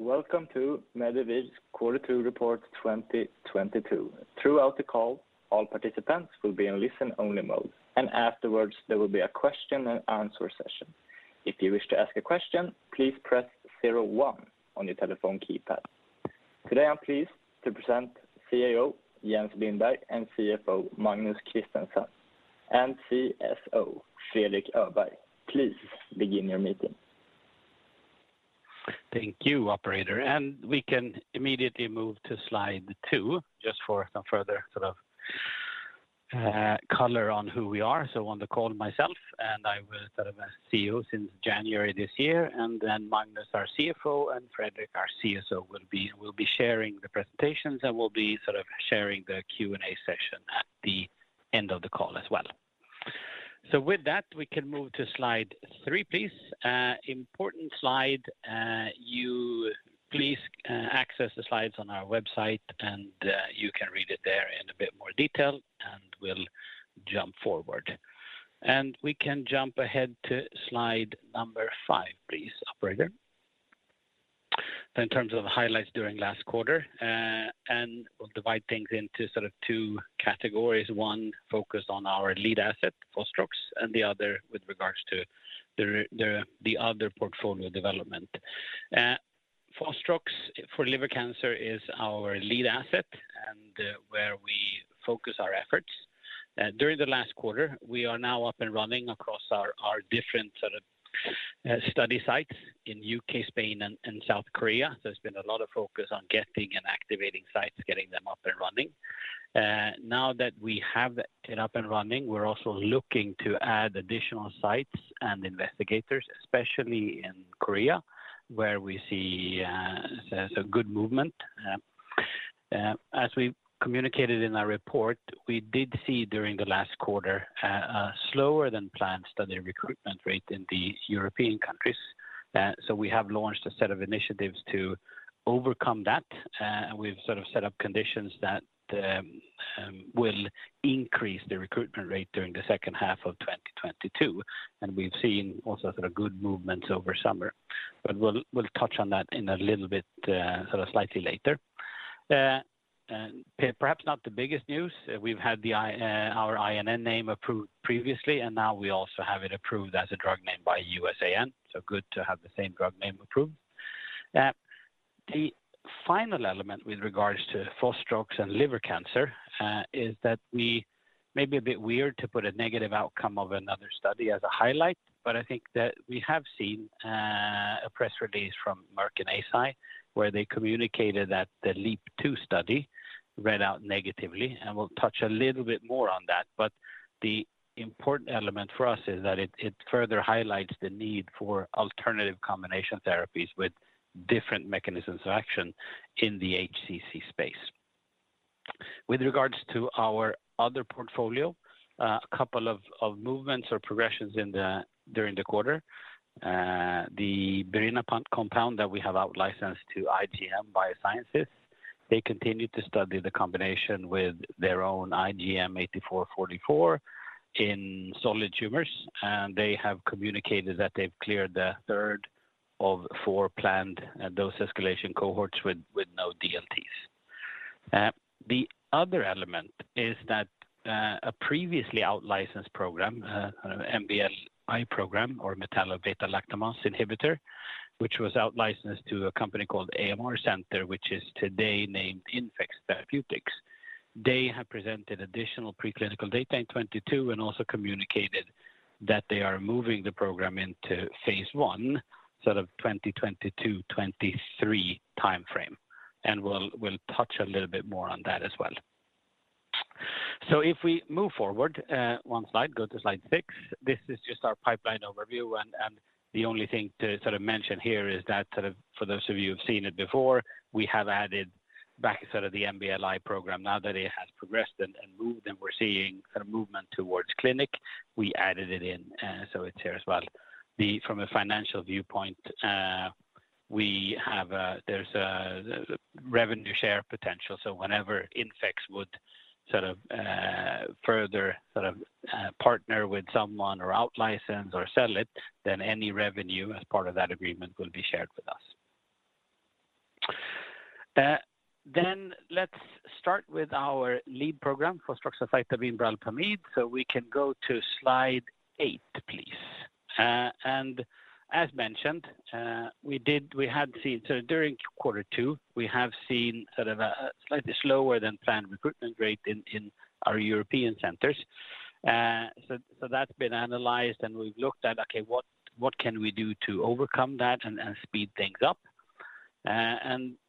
Welcome to Medivir Q2 report 2022. Throughout the call, all participants will be in listen-only mode, and afterwards, there will be a question and answer session. If you wish to ask a question, please press zero one on your telephone keypad. Today, I'm pleased to present CEO Jens Lindberg and CFO Magnus Christensen and CSO Fredrik Öberg. Please begin your meeting. Thank you, operator. We can immediately move to slide two just for some further sort of color on who we are. On the call myself, and I am the CEO since January this year. Then Magnus, our CFO, and Fredrik, our CSO, will be sharing the presentations and will be sort of sharing the Q&A session at the end of the call as well. With that, we can move to slide three, please. Important slide. Please access the slides on our website, and you can read it there in a bit more detail, and we'll jump forward. We can jump ahead to slide number five, please, operator. In terms of highlights during last quarter, we'll divide things into sort of two categories. One focused on our lead asset, Fostrox, and the other with regards to the other portfolio development. Fostrox for liver cancer is our lead asset and where we focus our efforts. During the last quarter, we are now up and running across our different sort of study sites in U.K., Spain, and South Korea. There's been a lot of focus on getting and activating sites, getting them up and running. Now that we have it up and running, we're also looking to add additional sites and investigators, especially in Korea, where we see a good movement. As we communicated in our report, we did see during the last quarter a slower than planned study recruitment rate in the European countries. We have launched a set of initiatives to overcome that. We've set up conditions that will increase the recruitment rate during the second half of 2022. We've seen also sort of good movements over summer. We'll touch on that in a little bit, sort of slightly later. Perhaps not the biggest news. We've had our INN name approved previously, and now we also have it approved as a drug name by USAN. Good to have the same drug name approved. The final element with regards to Fostrox and liver cancer is that we may be a bit weird to put a negative outcome of another study as a highlight, but I think that we have seen a press release from Merck and Eisai where they communicated that the LEAP-02 study read out negatively, and we'll touch a little bit more on that. The important element for us is that it further highlights the need for alternative combination therapies with different mechanisms of action in the HCC space. With regards to our other portfolio, a couple of movements or progressions during the quarter. The Birinapant compound that we have outlicensed to IGM Biosciences, they continue to study the combination with their own IGM-8444 in solid tumors, and they have communicated that they've cleared the third of four planned dose escalation cohorts with no DLTs. The other element is that a previously outlicensed program, MBLI program or Metallo Beta-Lactamase inhibitor, which was outlicensed to a company called AMR Centre, which is today named InfeX Therapeutics. They have presented additional preclinical data in 2022 and also communicated that they are moving the program into phase I, sort of 2022, 2023 timeframe. We'll touch a little bit more on that as well. If we move forward one slide, go to slide six. This is just our pipeline overview. The only thing to sort of mention here is that sort of for those of you who've seen it before, we have added back sort of the MBLI program now that it has progressed and moved, and we're seeing sort of movement towards clinic. We added it in, so it's here as well. From a financial viewpoint, there's a revenue share potential. Whenever InfeX would sort of further sort of partner with someone or outlicense or sell it, then any revenue as part of that agreement will be shared with us. Let's start with our lead program fostroxacitabine bralpamide. We can go to slide eight, please. As mentioned, we have seen a slightly slower than planned recruitment rate in our European centers. That's been analyzed, and we've looked at what can we do to overcome that and speed things up.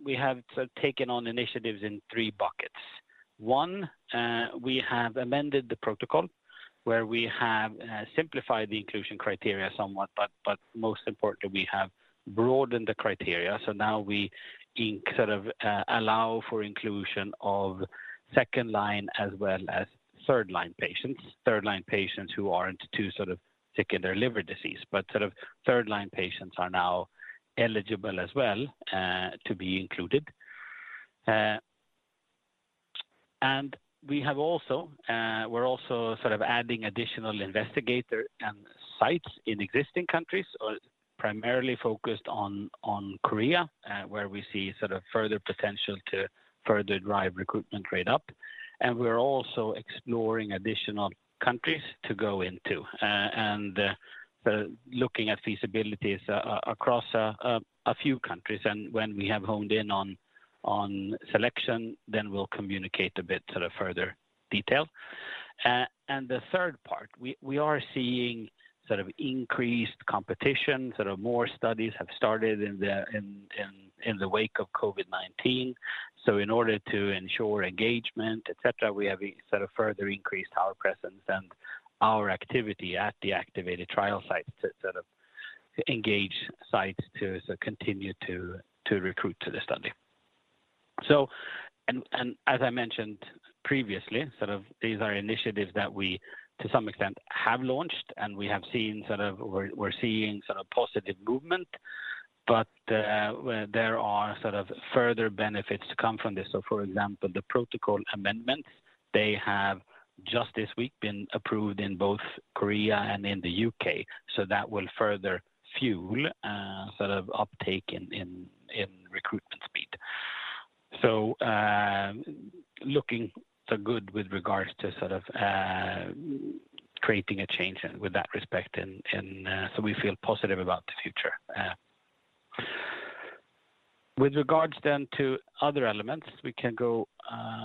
We have sort of taken on initiatives in three buckets. One, we have amended the protocol, where we have simplified the inclusion criteria somewhat. Most importantly, we have broadened the criteria. Now we sort of allow for inclusion of second line as well as third line patients. Third line patients who aren't too sort of sick in their liver disease, but sort of third line patients are now eligible as well, to be included. We have also, we're also sort of adding additional investigators and sites in existing countries, primarily focused on Korea, where we see sort of further potential to further drive recruitment rate up. We're also exploring additional countries to go into, and looking at feasibilities across a few countries. When we have honed in on selection, we'll communicate a bit sort of further detail. The third part, we are seeing sort of increased competition, sort of more studies have started in the wake of COVID-19. In order to ensure engagement, et cetera, we have sort of further increased our presence and our activity at the activated trial sites to engage sites to continue to recruit to the study. As I mentioned previously, sort of these are initiatives that we, to some extent, have launched, and we're seeing sort of positive movement. There are sort of further benefits to come from this. For example, the protocol amendment, they have just this week been approved in both Korea and in the U.K. That will further fuel sort of uptake in recruitment speed. Looking so good with regards to sort of creating a change in that respect and so we feel positive about the future. With regards to other elements, we can go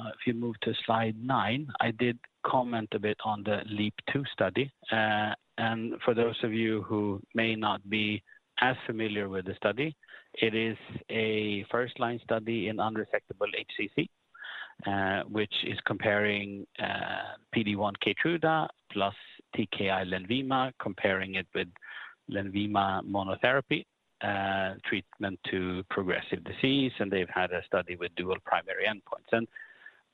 if you move to slide nine. I did comment a bit on the LEAP-02 study. For those of you who may not be as familiar with the study, it is a first-line study in unresectable HCC, which is comparing PD-1 Keytruda plus TKI Lenvima, comparing it with Lenvima monotherapy treatment to progressive disease, and they've had a study with dual primary endpoints.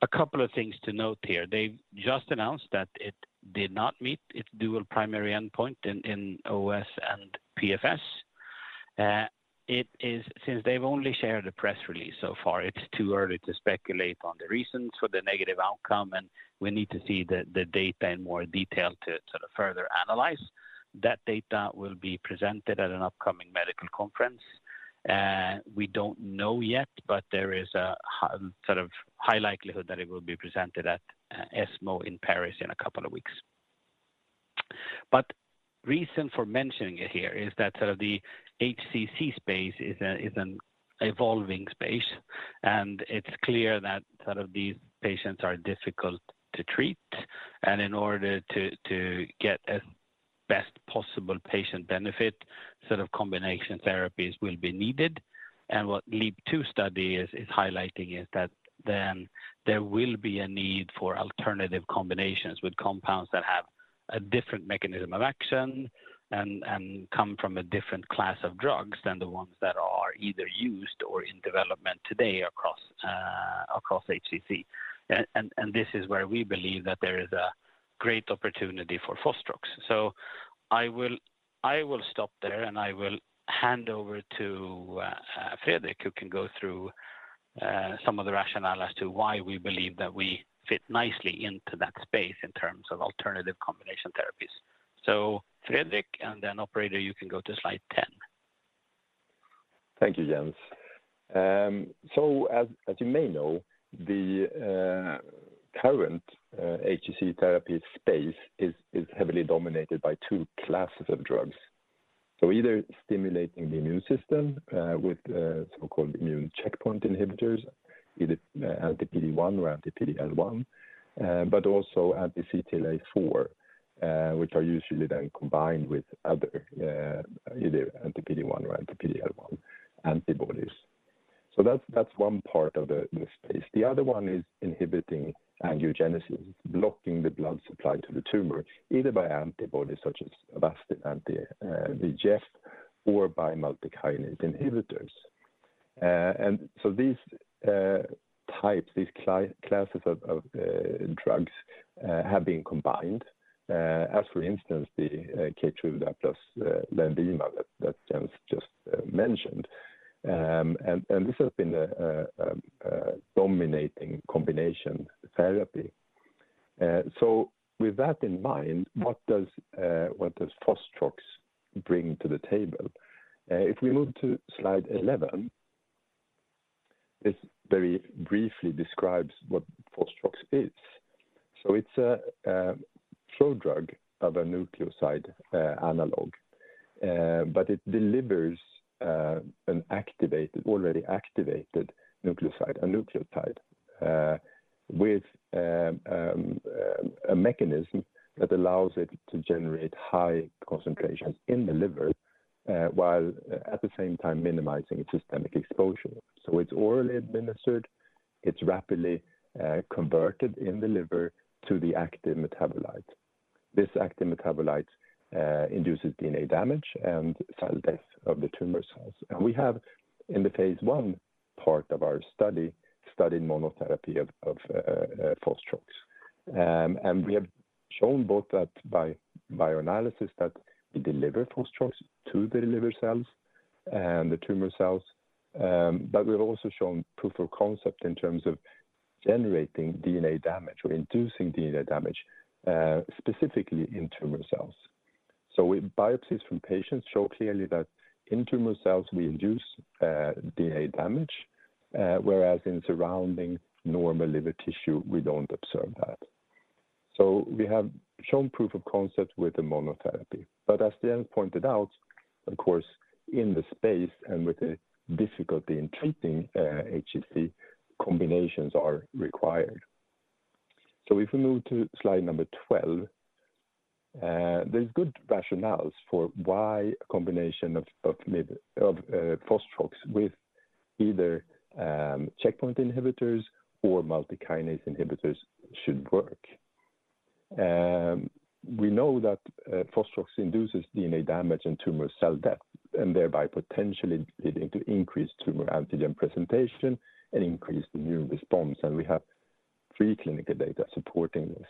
A couple of things to note here. They've just announced that it did not meet its dual primary endpoint in OS and PFS. Since they've only shared a press release so far, it's too early to speculate on the reasons for the negative outcome, and we need to see the data in more detail to sort of further analyze. That data will be presented at an upcoming medical conference. We don't know yet, but there is a sort of high likelihood that it will be presented at ESMO in Paris in a couple of weeks. Reason for mentioning it here is that sort of the HCC space is an evolving space, and it's clear that sort of these patients are difficult to treat. In order to get as best possible patient benefit, sort of combination therapies will be needed. What the LEAP-02 study is highlighting is that there will be a need for alternative combinations with compounds that have a different mechanism of action and come from a different class of drugs than the ones that are either used or in development today across HCC. This is where we believe that there is a great opportunity for Fostrox. I will stop there and I will hand over to Fredrik, who can go through some of the rationale as to why we believe that we fit nicely into that space in terms of alternative combination therapies. Fredrik, and then operator, you can go to slide 10. Thank you, Jens. As you may know, the current HCC therapy space is heavily dominated by two classes of drugs. Either stimulating the immune system with so-called immune checkpoint inhibitors, either anti-PD-1 or anti-PD-L1, but also anti-CTLA-4, which are usually then combined with other either anti-PD-1 or anti-PD-L1 antibodies. That's one part of the space. The other one is inhibiting angiogenesis, blocking the blood supply to the tumor, either by antibodies such as Avastin, anti-VEGF, or by multikinase inhibitors. These classes of drugs have been combined as for instance, the Keytruda plus Lenvima that Jens just mentioned. This has been a dominating combination therapy. With that in mind, what does Fostrox bring to the table? If we move to slide 11, this very briefly describes what Fostrox is. It's a pro-drug of a nucleoside analog. It delivers an already activated nucleoside, a nucleotide, with a mechanism that allows it to generate high concentrations in the liver, while at the same time minimizing its systemic exposure. It's orally administered. It's rapidly converted in the liver to the active metabolite. This active metabolite induces DNA damage and cell death of the tumor cells. We have, in the phase I part of our study, studied monotherapy of Fostrox. We have shown both that by bioanalysis that we deliver Fostrox to the liver cells and the tumor cells, but we have also shown proof of concept in terms of generating DNA damage or inducing DNA damage specifically in tumor cells. With biopsies from patients show clearly that in tumor cells we induce DNA damage, whereas in surrounding normal liver tissue, we don't observe that. We have shown proof of concept with the monotherapy. As Jens pointed out, of course, in the space and with the difficulty in treating HCC, combinations are required. If we move to slide number 12, there's good rationales for why a combination of maybe Fostrox with either checkpoint inhibitors or multikinase inhibitors should work. We know that Fostrox induces DNA damage and tumor cell death, and thereby potentially leading to increased tumor antigen presentation and increased immune response. We have preclinical data supporting this.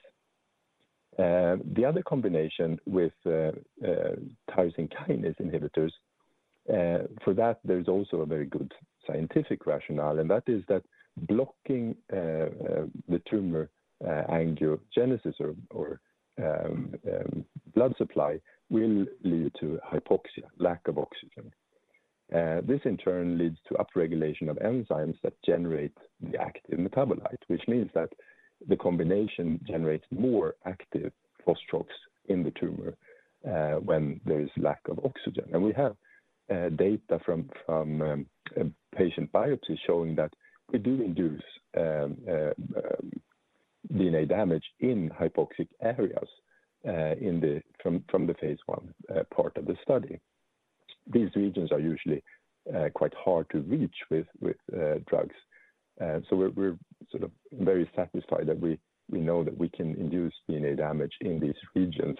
The other combination with tyrosine kinase inhibitors, for that there's also a very good scientific rationale, and that is that blocking the tumor angiogenesis or blood supply will lead to hypoxia, lack of oxygen. This in turn leads to upregulation of enzymes that generate the active metabolite, which means that the combination generates more active Fostrox in the tumor when there is lack of oxygen. We have data from patient biopsies showing that we do induce DNA damage in hypoxic areas from the phase I part of the study. These regions are usually quite hard to reach with drugs. We're sort of very satisfied that we know that we can induce DNA damage in these regions.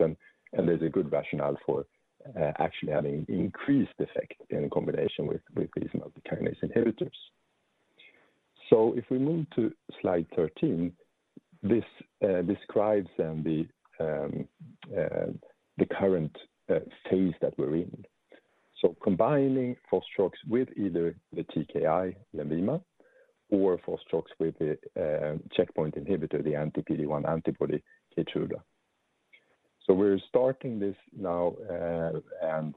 There's a good rationale for actually having increased effect in combination with these multikinase inhibitors. If we move to slide 13, this describes the current phase that we're in. Combining Fostrox with either the TKI Lenvima or Fostrox with the checkpoint inhibitor, the anti-PD-1 antibody Keytruda. We're starting this now, and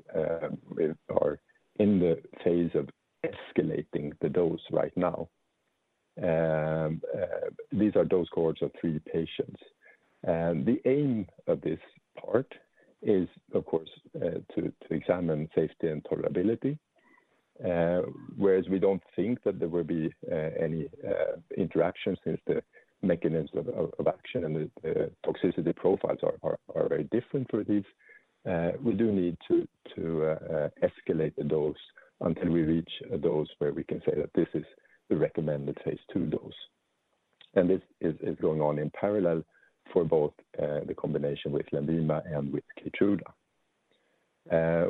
we are in the phase of escalating the dose right now. These are dose cohorts of three patients. The aim of this part is of course to examine safety and tolerability, whereas we don't think that there will be any interactions since the mechanisms of action and the toxicity profiles are very different for these. We do need to escalate the dose until we reach a dose where we can say that this is the recommended phase two dose. This is going on in parallel for both the combination with Lenvima and with Keytruda.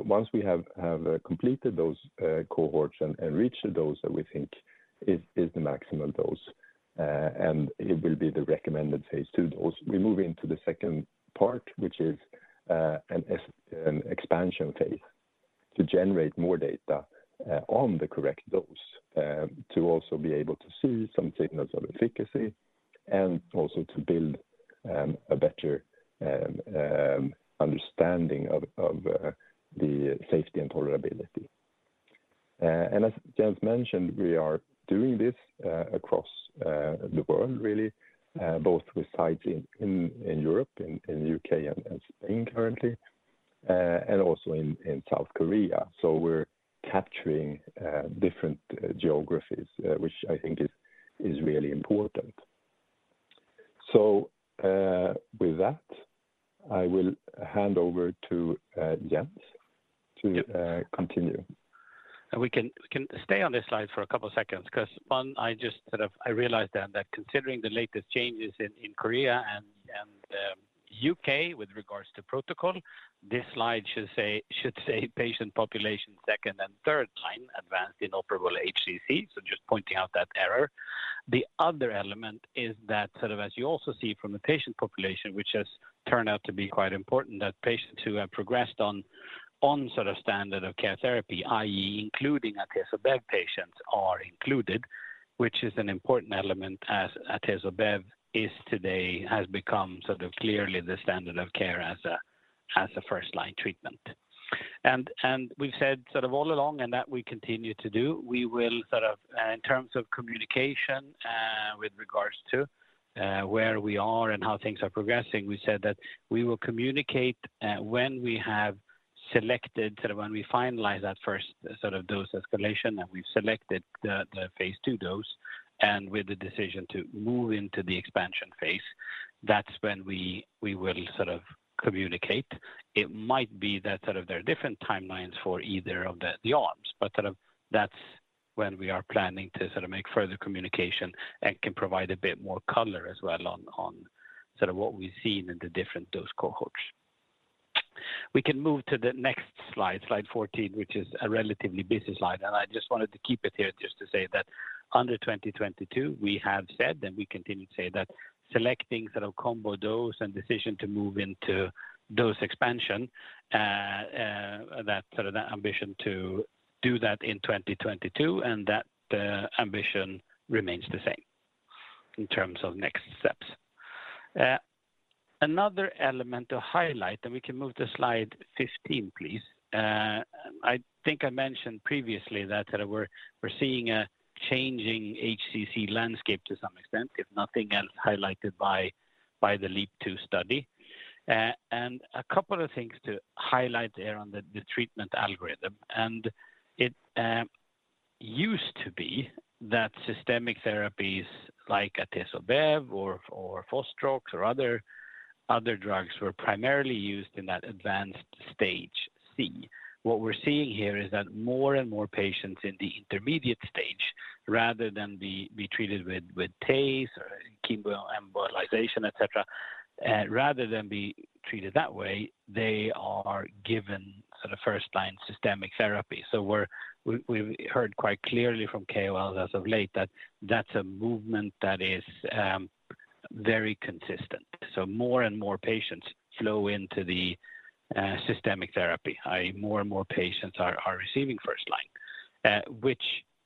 Once we have completed those cohorts and reached a dose that we think is the maximum dose, and it will be the recommended phase II dose, we move into the second part, which is an expansion phase to generate more data on the correct dose, to also be able to see some signals of efficacy and also to build a better understanding of the safety and tolerability. And as Jens mentioned, we are doing this across the world really, both with sites in Europe, in the U.K. and Spain currently, and also in South Korea. With that, I will hand over to Jens to continue. We can stay on this slide for a couple seconds because one, I just sort of realized that considering the latest changes in Korea and U.K. with regards to protocol, this slide should say patient population second and third line advanced inoperable HCC. Just pointing out that error. The other element is that sort of as you also see from the patient population, which has turned out to be quite important, that patients who have progressed on sort of standard of care therapy, i.e., including Atezo-Bev patients are included, which is an important element as Atezo-Bev today has become sort of clearly the standard of care as a first line treatment. We've said sort of all along and that we continue to do, we will sort of in terms of communication with regards to where we are and how things are progressing, we said that we will communicate when we have selected sort of when we finalize that first sort of dose escalation and we've selected the phase II dose and with the decision to move into the expansion phase, that's when we will sort of communicate. It might be that sort of there are different timelines for either of the arms, but sort of that's when we are planning to sort of make further communication and can provide a bit more color as well on sort of what we've seen in the different dose cohorts. We can move to the next slide 14, which is a relatively busy slide. I just wanted to keep it here just to say that under 2022, we have said, and we continue to say that selecting sort of combo dose and decision to move into dose expansion, that ambition to do that in 2022, and that ambition remains the same in terms of next steps. Another element to highlight, we can move to slide 15, please. I think I mentioned previously that sort of we're seeing a changing HCC landscape to some extent, if nothing else highlighted by the LEAP-2 study. A couple of things to highlight there on the treatment algorithm. It used to be that systemic therapies like Atezo-Bev or Fostrox or other drugs were primarily used in that advanced stage C. What we're seeing here is that more and more patients in the intermediate stage, rather than be treated with TACE or chemoembolization, et cetera, rather than be treated that way, they are given sort of first-line systemic therapy. We heard quite clearly from KOLs as of late that that's a movement that is very consistent. More and more patients flow into the systemic therapy, i.e., more and more patients are receiving first line, which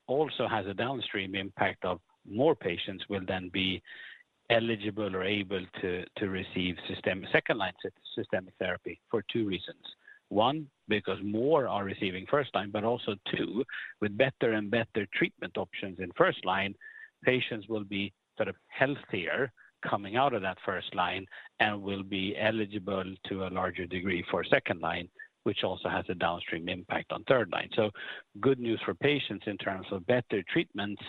also has a downstream impact of more patients will then be eligible or able to receive systemic second line systemic therapy for two reasons. One, because more are receiving first line, but also three, with better and better treatment options in first line, patients will be sort of healthier coming out of that first line and will be eligible to a larger degree for second line, which also has a downstream impact on third line. Good news for patients in terms of better treatments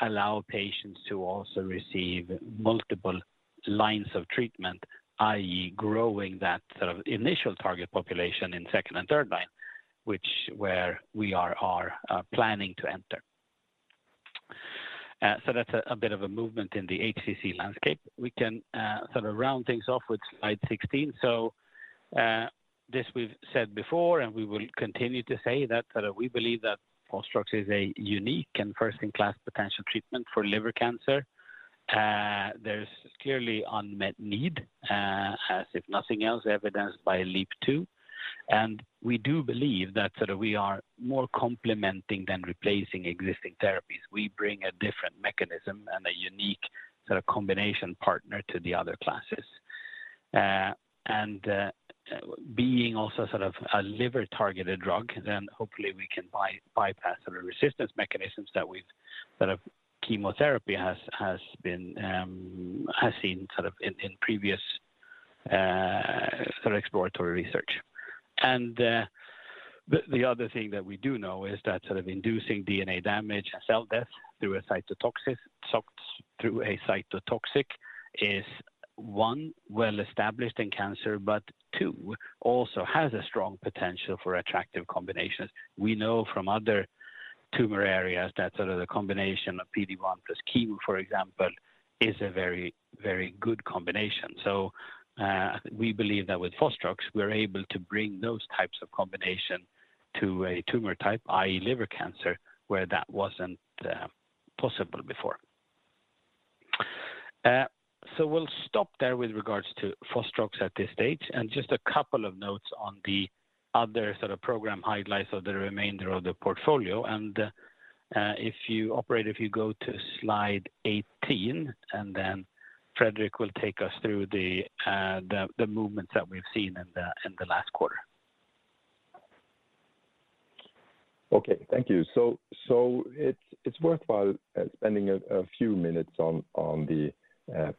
allow patients to also receive multiple lines of treatment, i.e., growing that sort of initial target population in second and third line, which where we are are planning to enter. That's a bit of a movement in the HCC landscape. We can sort of round things off with slide 16. This we've said before, and we will continue to say that sort of we believe that Fostrox is a unique and first in class potential treatment for liver cancer. There's clearly unmet need, as if nothing else evidenced by LEAP-2. We do believe that sort of we are more complementing than replacing existing therapies. We bring a different mechanism and a unique sort of combination partner to the other classes. Being also sort of a liver-targeted drug, then hopefully we can bypass sort of resistance mechanisms that we've sort of chemotherapy has seen sort of in previous sort of exploratory research. The other thing that we do know is that sort of inducing DNA damage and cell death through a cytotoxic is one well established in cancer, but two, also has a strong potential for attractive combinations. We know from other tumor areas that sort of the combination of PD-1 plus chemo, for example, is a very, very good combination. We believe that with Fostrox, we're able to bring those types of combination to a tumor type, i.e., liver cancer, where that wasn't possible before. We'll stop there with regards to Fostrox at this stage. If you, operator, go to slide 18, then Fredrik will take us through the movements that we've seen in the last quarter. Okay. Thank you. It's worthwhile spending a few minutes on the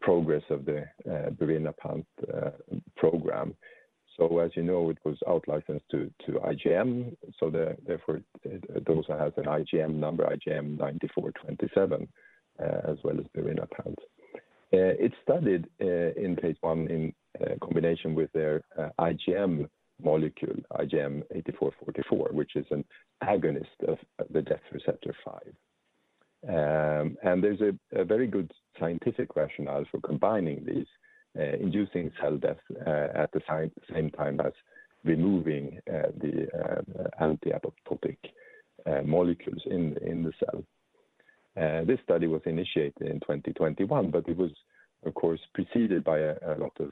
progress of the birinapant program. As you know, it was outlicensed to IGM. Therefore, it also has an IGM number, IGM-9427, as well as birinapant. It studied in phase one in combination with their IGM molecule, IGM-8444, which is an agonist of the death receptor 5. And there's a very good scientific rationale for combining these, inducing cell death at the same time as removing the anti-apoptotic molecules in the cell. This study was initiated in 2021, but it was of course preceded by a lot of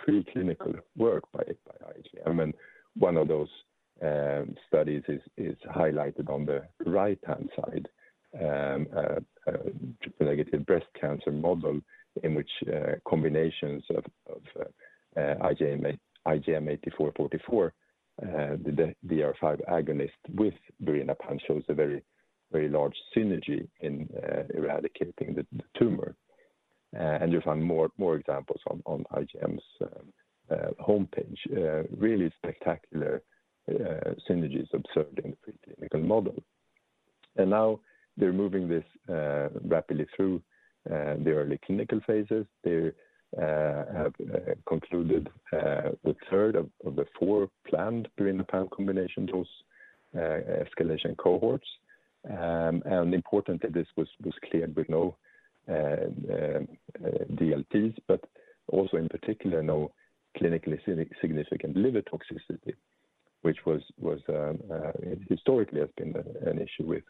preclinical work by IGM. One of those studies is highlighted on the right-hand side, negative breast cancer model in which combinations of IGM-8444, the DR5 agonist with birinapant shows a very, very large synergy in eradicating the tumor. You'll find more examples on IGM's homepage, really spectacular synergies observed in the preclinical model. Now they're moving this rapidly through the early clinical phases. They have concluded the third of the four planned birinapant combination dose escalation cohorts. Importantly, this was cleared with no DLTs, but also in particular, no clinically significant liver toxicity. Which was historically has been an issue with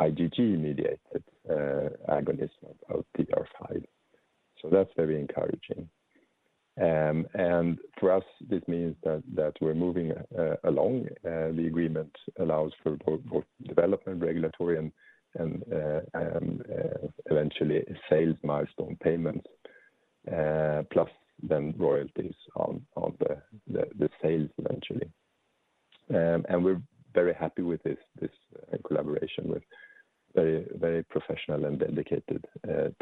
IgG-mediated agonists of T-cell DR5. That's very encouraging. For us, this means that we're moving along. The agreement allows for development, regulatory, and eventually sales milestone payments, plus then royalties on the sales eventually. We're very happy with this collaboration with very professional and dedicated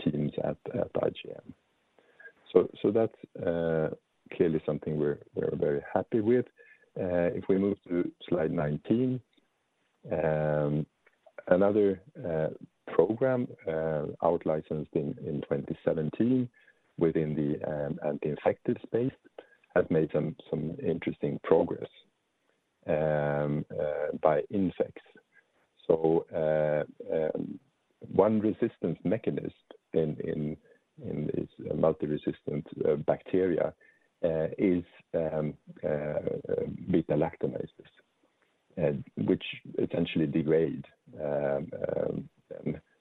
teams at IGM. That's clearly something we're very happy with. If we move to slide 19. Another program outlicensed in 2017 within the anti-infective space has made some interesting progress by InfeX. One resistance mechanism in this multi-resistant bacteria is beta-lactamases, which essentially degrade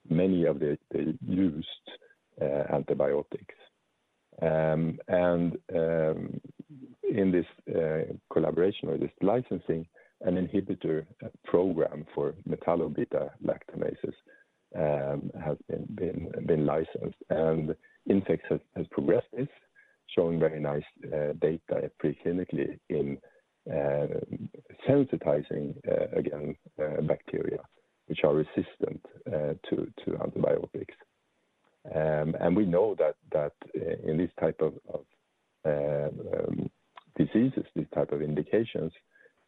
many of the used antibiotics. In this collaboration or this licensing, an inhibitor program for metallo beta-lactamases has been licensed. InfeX has progressed this, showing very nice data preclinically in sensitizing bacteria which are resistant to antibiotics. We know that in these type of diseases, these type of indications,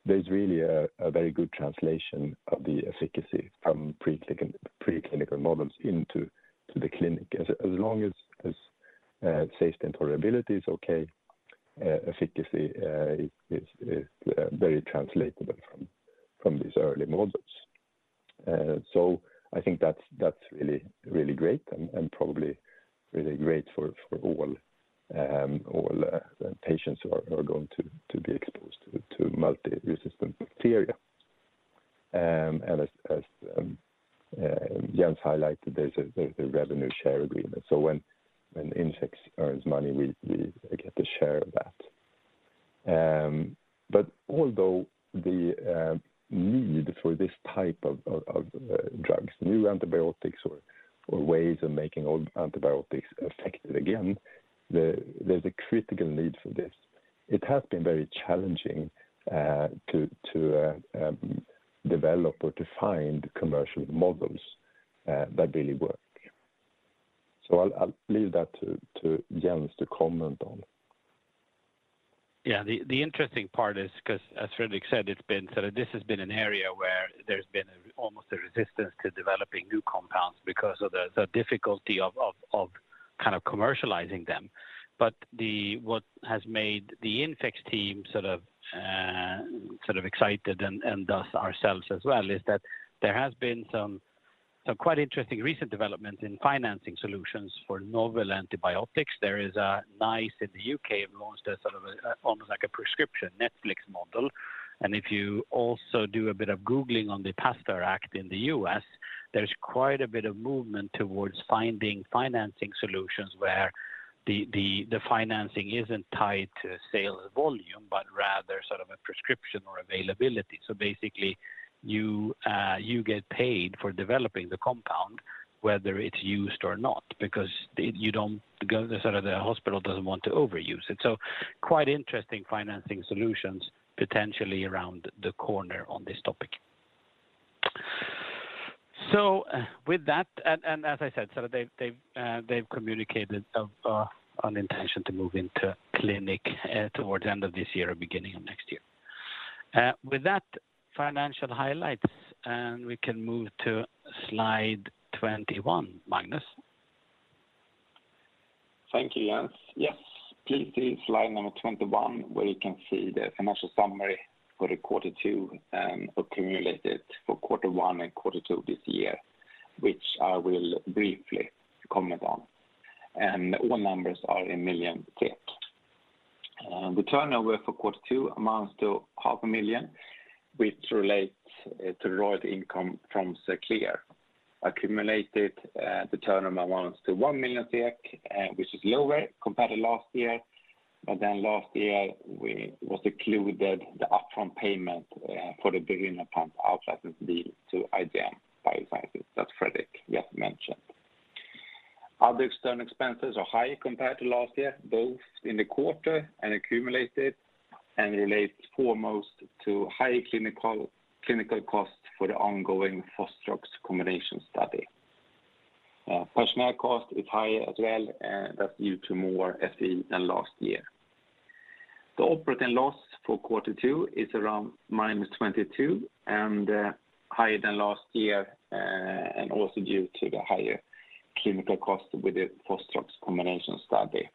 there's really a very good translation of the efficacy quite interesting recent developments in financing solutions for novel antibiotics. There is NICE in the UK have launched a sort of almost like a prescription Netflix model. If you also do a bit of googling on the PASTEUR Act in the U.S., there's quite a bit of movement towards finding financing solutions where the financing isn't tied to sales volume, but rather sort of a prescription or availability. Basically, you get paid for developing the compound whether it's used or not, because the hospital doesn't want to overuse it. Quite interesting financing solutions potentially around the corner on this topic. With that, and as I said, they've communicated an intention to move into clinic towards the end of this year or beginning of next year. With that financial highlights, and we can move to slide 21. Magnus? Thank you, Jens. Yes, please see slide number 21, where you can see the financial summary for the Q2 and accumulated for Q1 and Q2 this year, which I will briefly comment on. All numbers are in million SEK. The turnover for Q2 amounts to 500,000, which relates to royalty income from Xerclear. Accumulated, the turnover amounts to 1 million SEK, which is lower compared to last year. Last year, we was included the upfront payment, for the billion upfront outlicense deal to IGM Biosciences that Fredrik just mentioned. Other external expenses are high compared to last year, both in the quarter and accumulated, and relates foremost to higher clinical costs for the ongoing Fostrox combination study. Personnel cost is higher as well, that's due to more FTEs than last year. The operating loss for Q2 is around -22 and higher than last year, and also due to the higher clinical cost with the Fostrox combination study.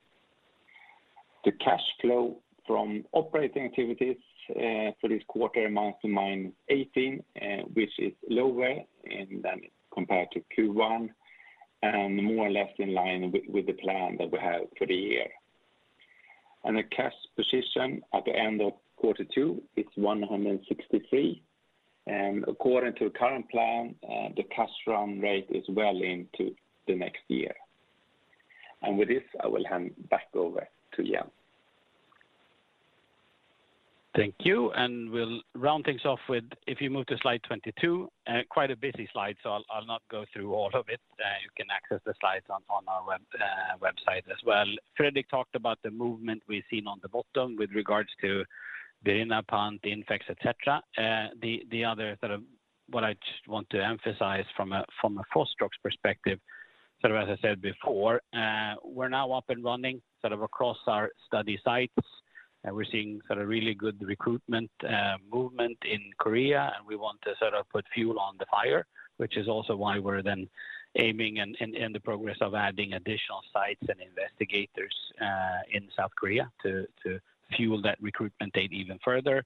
The cash flow from operating activities for this quarter amounts to -18, which is lower, and then compared to Q1. More or less in line with the plan that we have for the year. The cash position at the end of Q2 is 163. According to current plan, the cash run rate is well into the next year. With this, I will hand back over to Jenp. Thank you. We'll round things off with, if you move to slide 22, quite a busy slide, so I'll not go through all of it. You can access the slides on our website as well. Fredrik talked about the movement we've seen on the bottom with regards to the birinapant, the InfeX, et cetera. The other sort of what I just want to emphasize from a Fostrox perspective, sort of as I said before, we're now up and running sort of across our study sites. We're seeing sort of really good recruitment, movement in Korea, and we want to sort of put fuel on the fire, which is also why we're then aiming and in the progress of adding additional sites and investigators in South Korea to fuel that recruitment rate even further.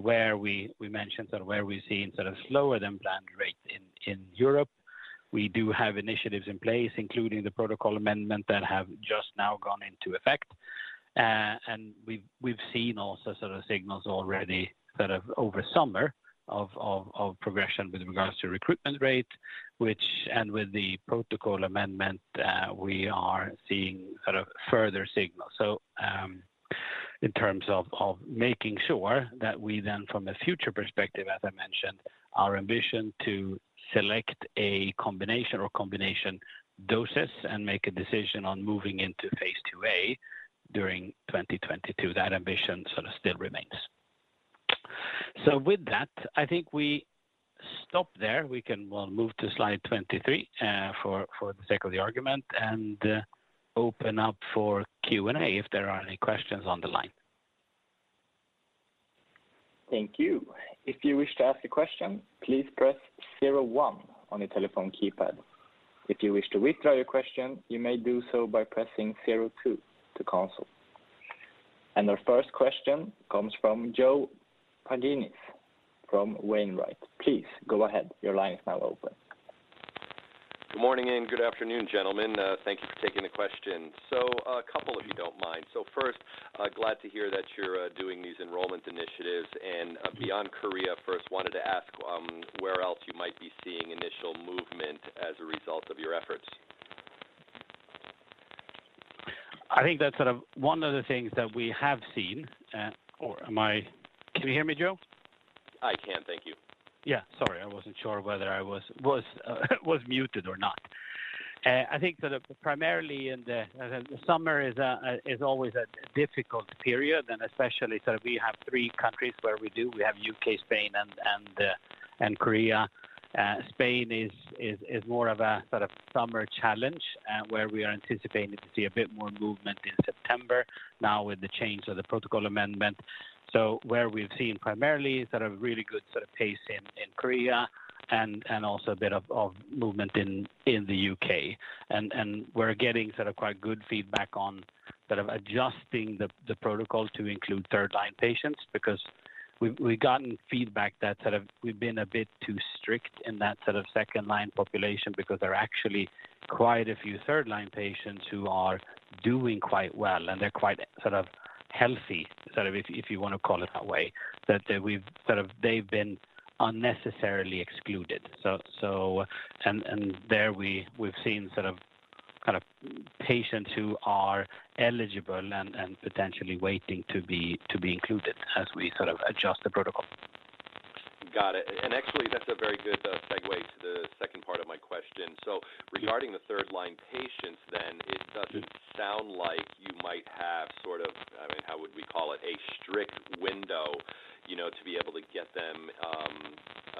Where we mentioned sort of where we're seeing sort of slower than planned rates in Europe. We do have initiatives in place, including the protocol amendment that have just now gone into effect. We've seen also sort of signals already sort of over summer of progression with regards to recruitment rate, which with the protocol amendment, we are seeing sort of further signals. In terms of making sure that we then from a future perspective, as I mentioned, our ambition to select a combination or combination doses and make a decision on moving into phase IIA during 2022, that ambition sort of still remains. With that, I think we stop there. We can well move to slide 23, for the sake of the argument and open up for Q&A if there are any questions on the line. Thank you. If you wish to ask a question, please press zero one on your telephone keypad. If you wish to withdraw your question, you may do so by pressing zero two to cancel. Our first question comes from Joe Pantginis from H.C. Wainwright. Please go ahead. Your line is now open. Good morning and good afternoon, gentlemen. Thank you for taking the question. A couple if you don't mind. First, glad to hear that you're doing these enrollment initiatives. Beyond Korea, first wanted to ask, where else you might be seeing initial movement as a result of your efforts? I think that's sort of one of the things that we have seen. Can you hear me, Joe? I can. Thank you. Yeah, sorry. I wasn't sure whether I was muted or not. I think sort of primarily in the summer is always a difficult period, and especially sort of we have three countries where we do. We have U.K., Spain and Korea. Spain is more of a sort of summer challenge, where we are anticipating to see a bit more movement in September now with the change of the protocol amendment. Where we've seen primarily is that a really good sort of pace in Korea and also a bit of movement in the U.K. We're getting sort of quite good feedback on sort of adjusting the protocol to include third line patients because we've gotten feedback that sort of we've been a bit too strict in that sort of second line population because there are actually quite a few third line patients who are doing quite well, and they're quite sort of healthy, sort of if you want to call it that way, that they've been unnecessarily excluded. There we've seen sort of kind of patients who are eligible and potentially waiting to be included as we sort of adjust the protocol. Got it. Actually, that's a very good segue to the second part of my question. Regarding the third-line patients then, it doesn't sound like you might have sort of, I mean, how would we call it, a strict window, you know, to be able to get them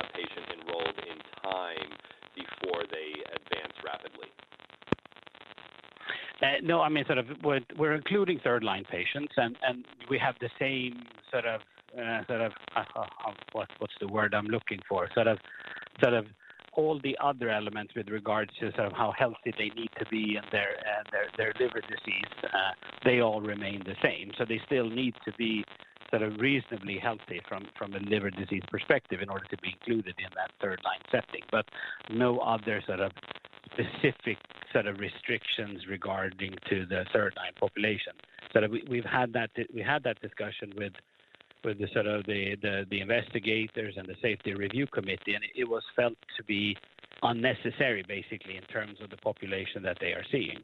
a patient enrolled in time before they advance rapidly. No, I mean, sort of we're including third line patients and we have the same sort of, what's the word I'm looking for? Sort of all the other elements with regards to sort of how healthy they need to be and their liver disease, they all remain the same. They still need to be sort of reasonably healthy from a liver disease perspective in order to be included in that third line setting. No other sort of specific set of restrictions regarding to the third line population. We've had that discussion with the investigators and the safety review committee, and it was felt to be unnecessary basically in terms of the population that they are seeing.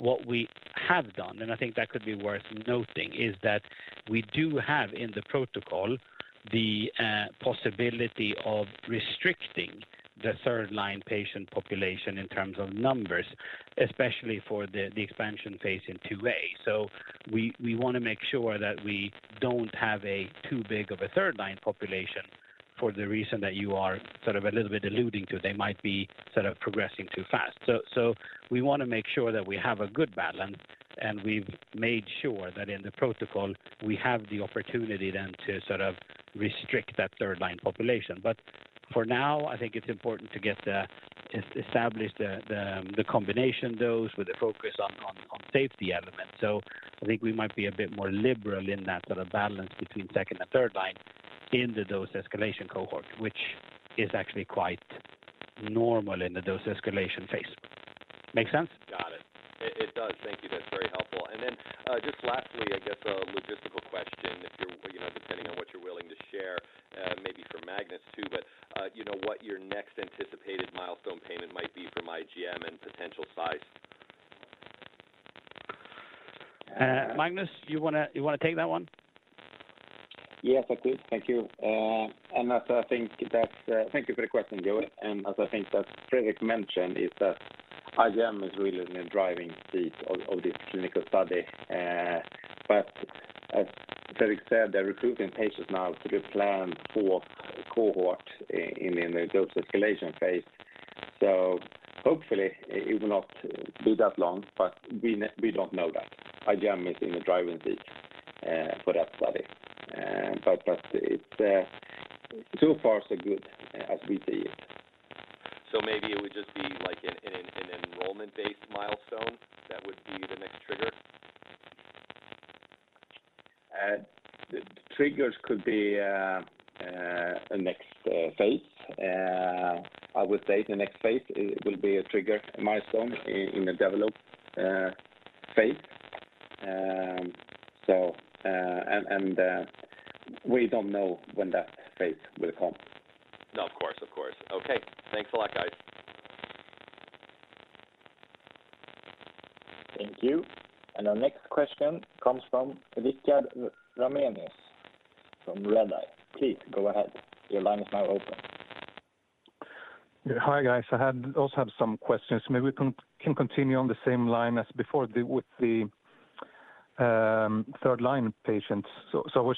What we have done, and I think that could be worth noting, is that we do have in the protocol the possibility of restricting the third line patient population in terms of numbers, especially for the expansion phase in two A. We want to make sure that we don't have too big of a third line population for the reason that you are sort of a little bit alluding to. They might be sort of progressing too fast. We want to make sure that we have a good balance, and we've made sure that in the protocol we have the opportunity then to sort of restrict that third line population. For now, I think it's important to establish the combination dose with the focus on safety elements. I think we might be a bit more liberal in that sort of balance between second and third line. In the dose escalation cohort, which is actually quite normal in the dose escalation phase. Make sense? Got it. It does. Thank you. That's very helpful. Just lastly, I guess a logistical question if you're depending on what you're willing to share, maybe for Magnus too. What your next anticipated milestone payment might be from IGM and potential size? Magnus, you wanna take that one? Yes, I could. Thank you. Thank you for the question, Joe. As I think that Fredrik mentioned is that IGM is really in the driving seat of this clinical study. But as Fredrik said, they're recruiting patients now to the planned four cohorts in the dose escalation phase. Hopefully it will not be that long, but we don't know that. IGM is in the driving seat for that study. It's so far so good as we see it. Maybe it would just be like an enrollment-based milestone that would be the next trigger? The triggers could be the next phase. I would say the next phase it will be a trigger milestone in the development phase, and we don't know when that phase will come. No, of course. Of course. Okay. Thanks a lot, guys. Thank you. Our next question comes from Richard Ramanius from Redeye. Please go ahead. Your line is now open. Hi, guys. I also have some questions. Maybe we can continue on the same line as before with the third-line patients. I was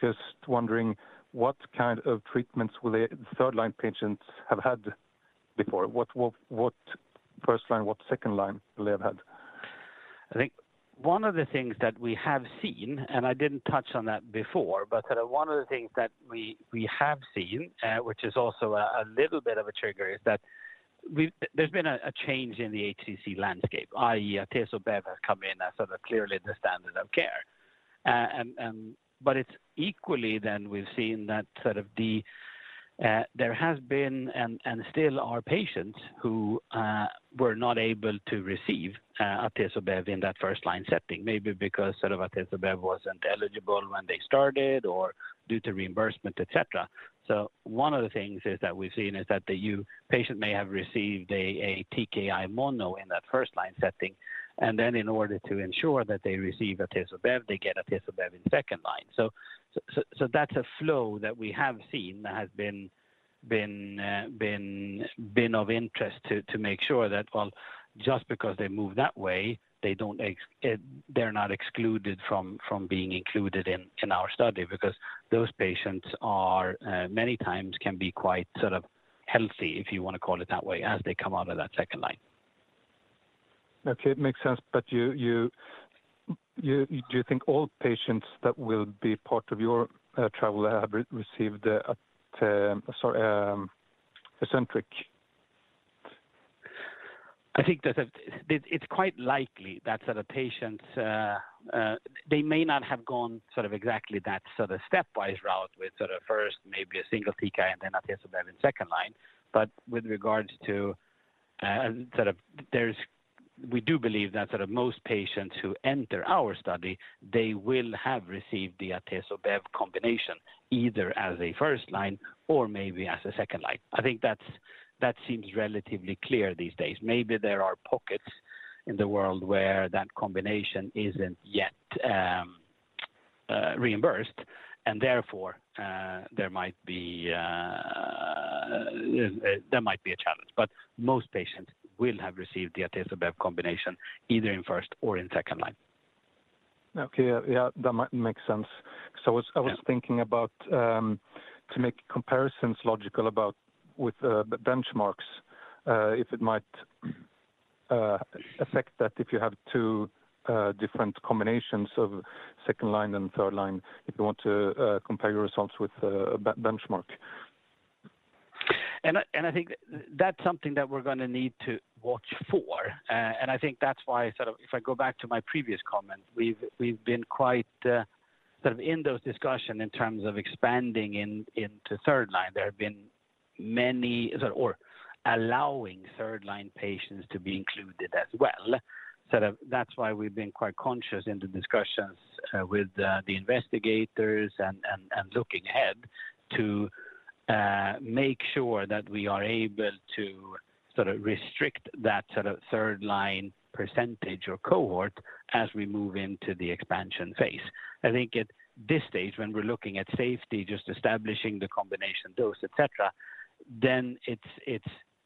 just wondering what kind of treatments will third-line patients have had before? What first-line, what second-line will they have had? I think one of the things that we have seen, and I didn't touch on that before, but sort of one of the things that we have seen, which is also a little bit of a trigger, is that there's been a change in the HCC landscape, i.e. Atezo-Bev has come in as sort of clearly the standard of care. It's equally then we've seen that sort of there has been and still are patients who were not able to receive Atezo-Bev in that first-line setting. Maybe because sort of Atezo-Bev wasn't eligible when they started or due to reimbursement, etc. One of the things is that we've seen is that patient may have received a TKI mono in that first line setting, and then in order to ensure that they receive Atezo-Bev, they get Atezo-Bev in second line. That's a flow that we have seen that has been of interest to make sure that, well, just because they move that way, they're not excluded from being included in our study. Because those patients are many times can be quite sort of healthy, if you wanna call it that way, as they come out of that second line. Okay. It makes sense. You think all patients that will be part of your trial will have received the standard? I think it's quite likely that sort of patients they may not have gone sort of exactly that sort of stepwise route with sort of first maybe a single TKI and then Atezo-Bev in second line. With regards to, sort of, we do believe that sort of most patients who enter our study, they will have received the Atezo-Bev combination either as a first line or maybe as a second line. I think that seems relatively clear these days. Maybe there are pockets in the world where that combination isn't yet reimbursed and therefore, there might be a challenge. Most patients will have received the Atezo-Bev combination either in first or in second line. Okay. Yeah, yeah, that makes sense. Yeah. I was thinking about to make comparisons logical about with benchmarks, if it might affect that if you have two different combinations of second line and third line, if you want to compare your results with a benchmark. I think that's something that we're gonna need to watch for. I think that's why I sort of. If I go back to my previous comment, we've been quite sort of in those discussions in terms of expanding into third line. There have been many or allowing third line patients to be included as well. Sort of that's why we've been quite conscious in the discussions with the investigators and looking ahead to make sure that we are able to sort of restrict that sort of third line percentage or cohort as we move into the expansion phase. I think at this stage when we're looking at safety, just establishing the combination dose, etcetera, then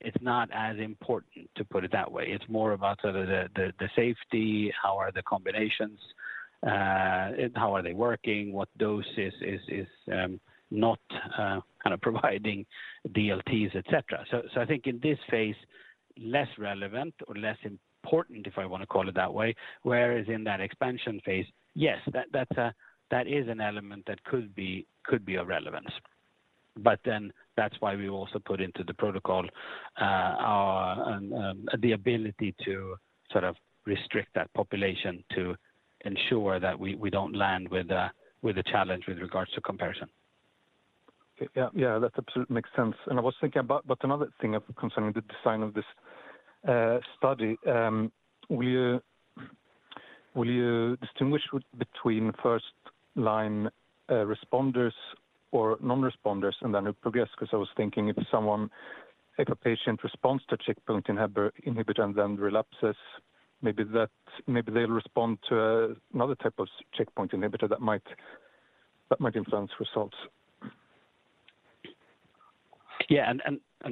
it's not as important to put it that way. It's more about sort of the safety, how are the combinations, how are they working, what doses is not kind of providing DLTs, etc. I think in this phase, less relevant or less important, if I wanna call it that way. Whereas in that expansion phase, yes, that is an element that could be of relevance. That's why we also put into the protocol, the ability to sort of restrict that population to ensure that we don't land with a challenge with regards to comparison. Okay. Yeah, yeah, that absolutely makes sense. I was thinking about but another thing concerning the design of this study. Will you distinguish between first line responders or non-responders and then who progress? Because I was thinking if a patient responds to checkpoint inhibitor then relapses, maybe they'll respond to another type of checkpoint inhibitor that might influence results. Yeah.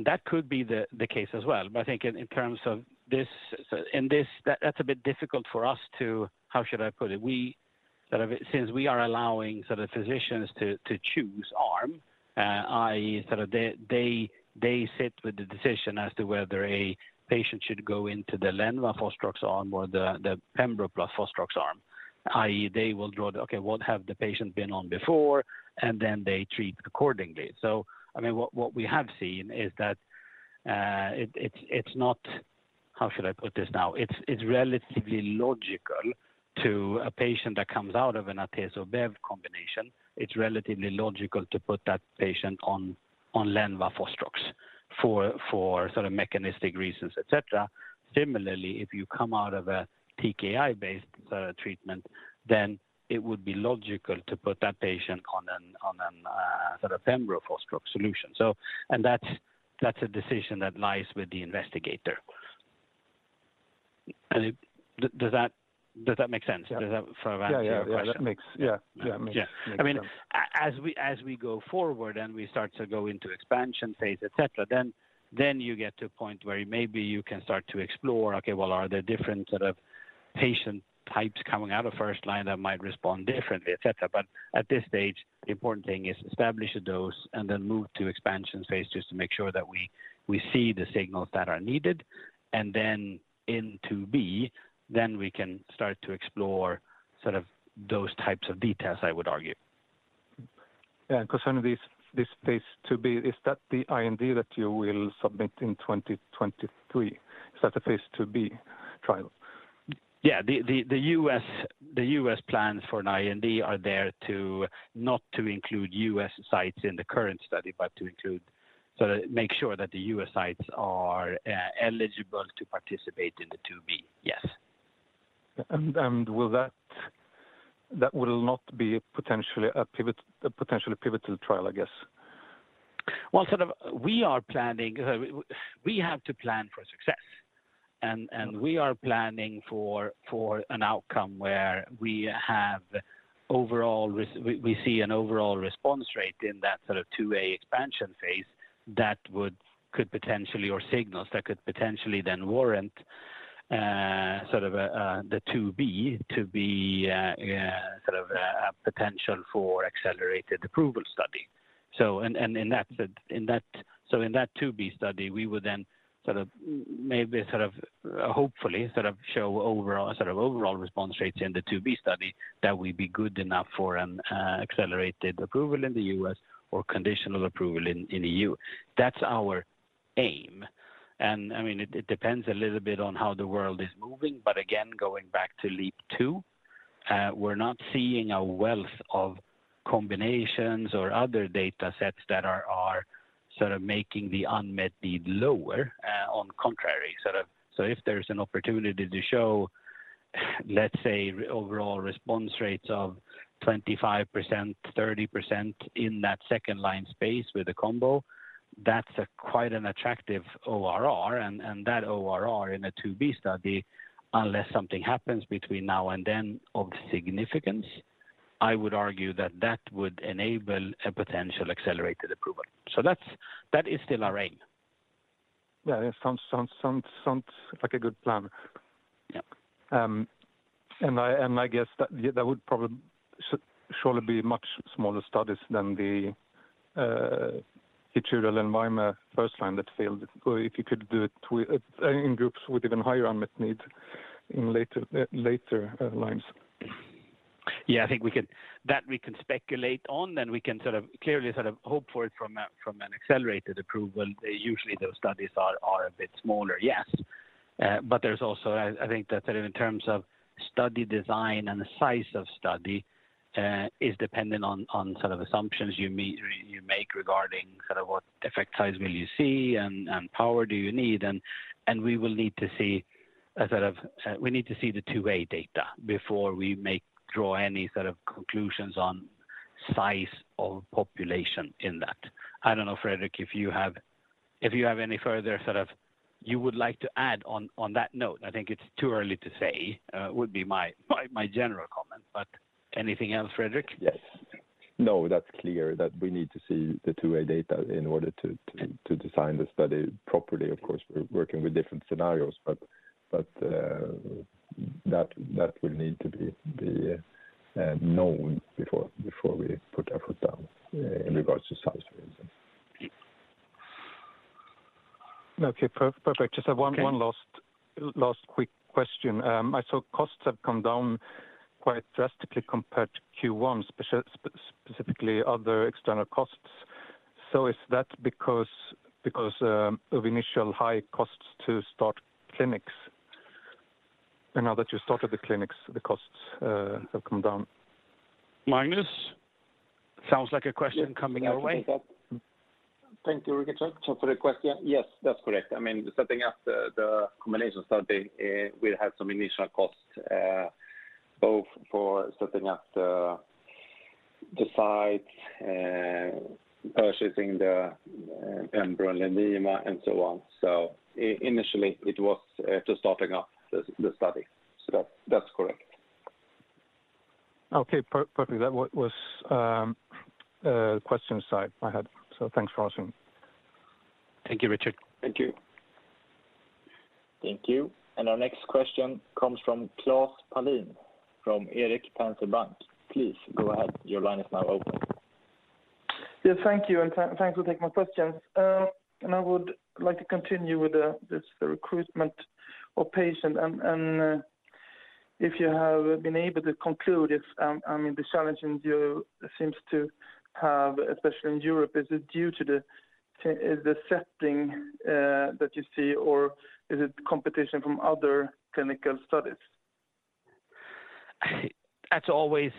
That could be the case as well. But I think in terms of this, that's a bit difficult for us to. How should I put it? We sort of, since we are allowing sort of physicians to choose arm, i.e., sort of they sit with the decision as to whether a patient should go into the Lenvima arm or the pembrolizumab plus Fostrox arm, i.e., they will draw the, "Okay, what have the patient been on before?" Then they treat accordingly. I mean, what we have seen is that, it's not. How should I put this now? It's relatively logical to a patient that comes out of an Atezo-Bev combination. It's relatively logical to put that patient on Lenvima for sort of mechanistic reasons, et cetera. Similarly, if you come out of a TKI-based treatment, then it would be logical to put that patient on a sort of pembrolizumab Fostrox solution. That's a decision that lies with the investigator. Does that make sense? Yeah. Does that sort of answer your question? Yeah. Yeah. Yeah. Makes sense. I mean, as we go forward and we start to go into expansion phase, et cetera, then you get to a point where maybe you can start to explore, okay, well, are there different sort of patient types coming out of first line that might respond differently, et cetera? At this stage, the important thing is to establish a dose and then move to expansion phase just to make sure that we see the signals that are needed and then into B, then we can start to explore sort of those types of details, I would argue. Yeah. 'Cause under this phase IIB, is that the IND that you will submit in 2023? Is that the phase IIB trial? Yeah. The U.S. plans for an IND are there to not include U.S. sites in the current study, but to make sure that the U.S. sites are eligible to participate in the IIB. Yes. Will that not be a potentially pivotal trial, I guess. Well, sort of we are planning. We have to plan for success, and we are planning for an outcome where we see an overall response rate in that sort of IIA expansion phase that could potentially or signals that could potentially then warrant sort of a the IIB to be sort of a potential for accelerated approval study. In that IIB study, we would then sort of maybe sort of hopefully sort of show a sort of overall response rates in the IIB study that will be good enough for an accelerated approval in the U.S. or conditional approval in EU. That's our aim. I mean, it depends a little bit on how the world is moving. Again, going back to LEAP-2, we're not seeing a wealth of combinations or other data sets that are sort of making the unmet need lower, on the contrary sort of. If there's an opportunity to show, let's say, overall response rates of 25%, 30% in that second line space with a combo, that's quite an attractive ORR. And that ORR in a 2b study, unless something happens between now and then of significance, I would argue that that would enable a potential accelerated approval. That is still our aim. Yeah. It sounds like a good plan. Yeah. I guess that, yeah, that would probably be much smaller studies than the IMbrave150 first line that failed. If you could do it within groups with even higher unmet need in later lines. Yeah. I think we could. That we can speculate on, then we can clearly hope for it from an accelerated approval. Usually, those studies are a bit smaller, yes. But there's also, I think that in terms of study design and the size of study, is dependent on sort of assumptions you make regarding sort of what effect size will you see and power do you need. We will need to see a sort of, we need to see the IIA data before we draw any sort of conclusions on size of population in that. I don't know, Fredrik, if you have any further sort of you would like to add on that note. I think it's too early to say, would be my general comment. Anything else, Fredrik? Yes. No, that's clear that we need to see the IIA data in order to design the study properly. Of course, we're working with different scenarios. But that will need to be known before we put effort down in regards to size, for instance. Okay, perfect. Just one last quick question. I saw costs have come down quite drastically compared to Q1, specifically other external costs. So is that because of initial high costs to start clinics? Now that you started the clinics, the costs have come down. Magnus? Sounds like a question coming our way. Yes, I think so. Thank you, Richard. For the question, yes, that's correct. I mean, setting up the combination study, we had some initial costs, both for setting up the site, purchasing the Pembrolizumab and Lenvima and so on. Initially it was to starting up the study. That's correct. Okay, perfect. That was the question I had. Thanks for answering. Thank you, Richard. Thank you. Thank you. Our next question comes from Klas Palin from Erik Penser Bank. Please go ahead. Your line is now open. Yeah, thank you, and thanks for taking my questions. I would like to continue with this recruitment of patients and if you have been able to conclude if, I mean, the challenge in the IO seems to have, especially in Europe, is it due to the setting that you see, or is it competition from other clinical studies? As always,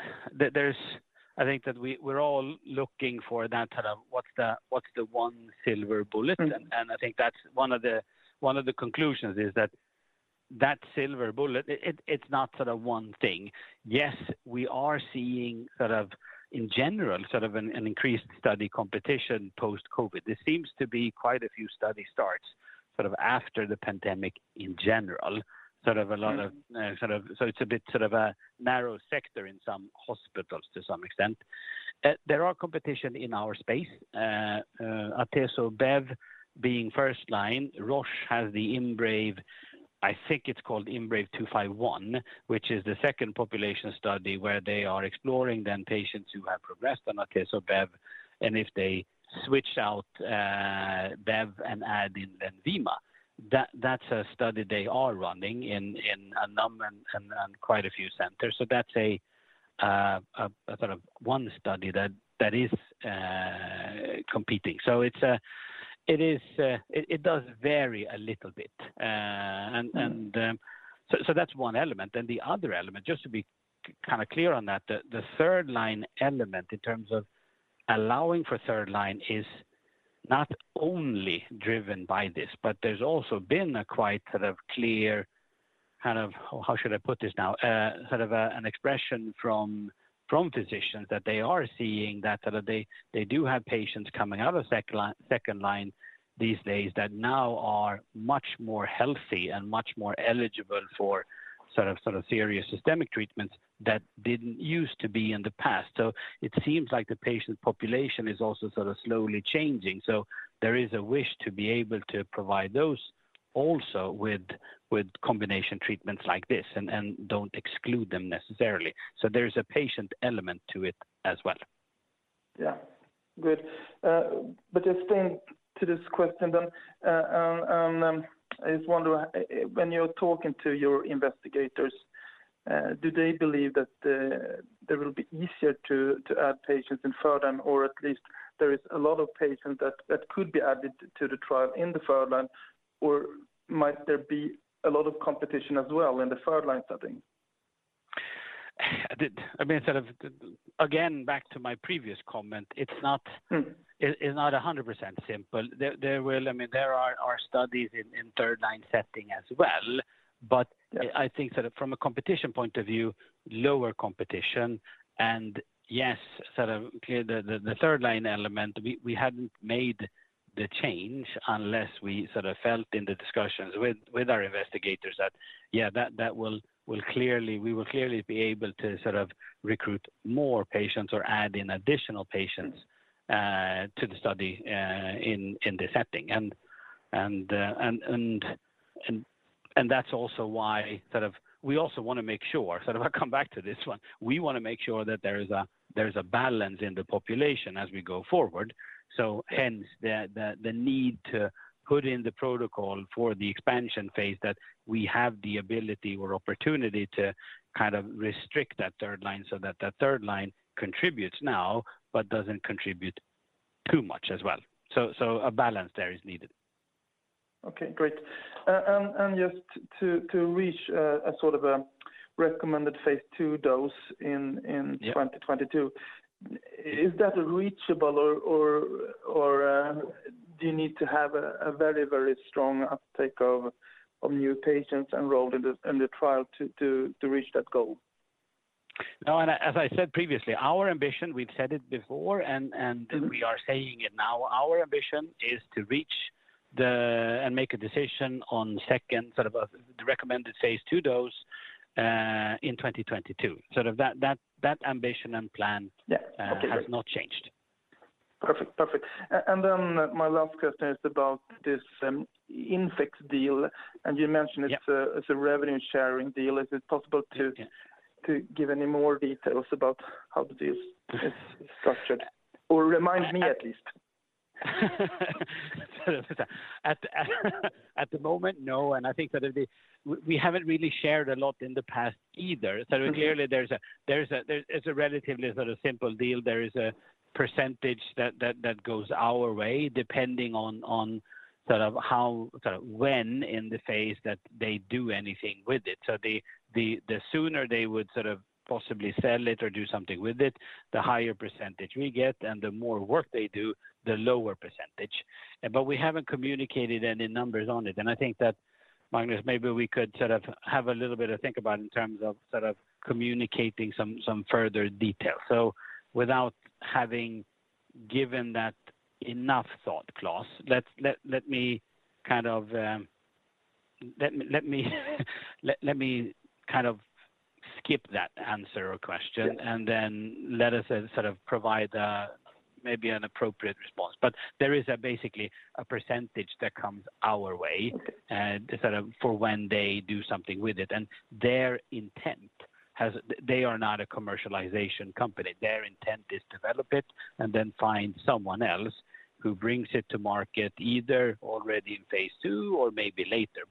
I think that we're all looking for that sort of what's the one silver bullet. Mm-hmm. I think that's one of the conclusions is that the silver bullet, it's not sort of one thing. Yes, we are seeing sort of in general, sort of an increased study competition post-COVID. There seems to be quite a few study starts sort of after the pandemic in general. Sort of a lot of. Mm-hmm. It's a bit sort of a narrow sector in some hospitals to some extent. There are competition in our space, Atezo-Bev being first line. Roche has the IMbrave251, which is the second population study where they are exploring the patients who have progressed on Atezo-Bev, and if they switch out Bev and add in Lenvima. That's a study they are running in a number of and quite a few centers. That's a sort of one study that is competing. It does vary a little bit. Mm-hmm. That's one element. The other element, just to be kind of clear on that, the third-line element in terms of allowing for third-line is not only driven by this, but there's also been a quite sort of clear, kind of. How should I put this now? Sort of, an expression from physicians that they are seeing that, sort of, they do have patients coming out of second-line these days that now are much more healthy and much more eligible for sort of serious systemic treatments that didn't use to be in the past. It seems like the patient population is also sort of slowly changing. There is a wish to be able to provide those also with combination treatments like this and don't exclude them necessarily. There is a patient element to it as well. Just sticking to this question, I just wonder when you're talking to your investigators, do they believe that it will be easier to add patients in third-line, or at least there is a lot of patients that could be added to the trial in the third-line, or might there be a lot of competition as well in the third-line setting? I did. I mean, sort of again, back to my previous comment, it's not. Mm. It is not 100% simple. I mean, there are studies in third line setting as well. Yes. I think sort of from a competition point of view, lower competition and yes, sort of clear the third line element, we hadn't made the change unless we sort of felt in the discussions with our investigators that, yeah, that will clearly. We will clearly be able to sort of recruit more patients or add in additional patients. Mm. To the study in this setting. That's also why sort of we also wanna make sure, sort of I'll come back to this one. We wanna make sure that there is a balance in the population as we go forward. Hence the need to put in the protocol for the expansion phase that we have the ability or opportunity to kind of restrict that third line so that the third line contributes now, but doesn't contribute too much as well. A balance there is needed. Okay, great. Just to reach a sort of a recommended phase II dose. Yeah. In 2022, is that reachable or do you need to have a very strong uptake of new patients enrolled in the trial to reach that goal? No. As I said previously, our ambition, we've said it before and. Mm-hmm. We are saying it now, our ambition is to reach the end and make a decision on the recommended phase 2 dose in 2022. Sort of that ambition and plan. Yeah. Okay, great. has not changed. Perfect. My last question is about this InfeX deal, and you mentioned it's a revenue sharing deal. Is it possible to give any more details about how the deal is structured, or remind me at least? At the moment, no. I think that it'd be. We haven't really shared a lot in the past either. Clearly, it's a relatively sort of simple deal. There is a percentage that goes our way, depending on sort of how, sort of when in the phase that they do anything with it. The sooner they would sort of possibly sell it or do something with it, the higher percentage we get, and the more work they do, the lower percentage. But we haven't communicated any numbers on it. I think that, Magnus, maybe we could sort of have a little bit of think about in terms of sort of communicating some further details. Without having given that enough thought, Klas, let me kind of skip that answer or question. Yeah. Let us sort of provide maybe an appropriate response. There is basically a percentage that comes our way- Okay. Sort of for when they do something with it. They are not a commercialization company. Their intent is to develop it and then find someone else who brings it to market, either already in phase two or maybe later.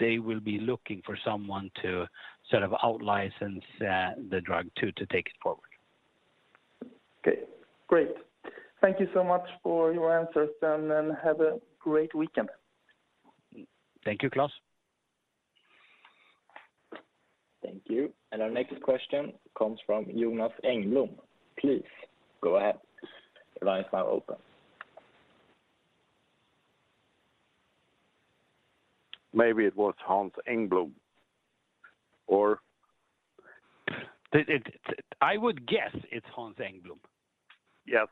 They will be looking for someone to sort of outlicense the drug to take it forward. Okay, great. Thank you so much for your answers, and then have a great weekend. Thank you, Klas. Thank you. Our next question comes from Jonas Engblom. Please go ahead. The line is now open. Maybe it was Hans Engblom. I would guess it's Hans Engblom. Yes.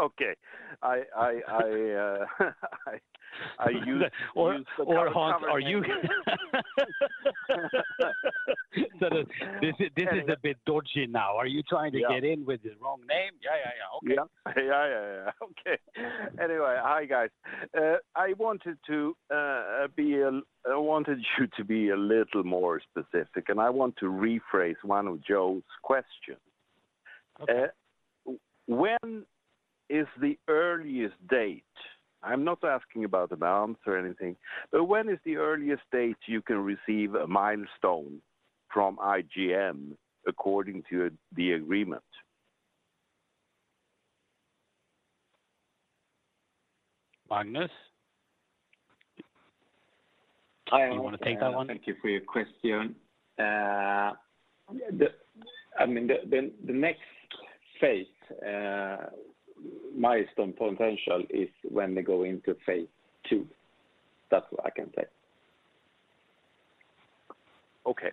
Okay. I use, Hans, this is a bit dodgy now. Are you trying to get in with the wrong name? Yeah, yeah. Okay. Yeah. Okay. Anyway, hi, guys. I wanted you to be a little more specific, and I want to rephrase one of Joe's questions. Okay. When is the earliest date? I'm not asking about an answer or anything, but when is the earliest date you can receive a milestone from IGM according to the agreement? Magnus? Hi. You want to take that one? Thank you for your question. I mean, the next phase milestone potential is when they go into phase two. That's what I can say. Okay.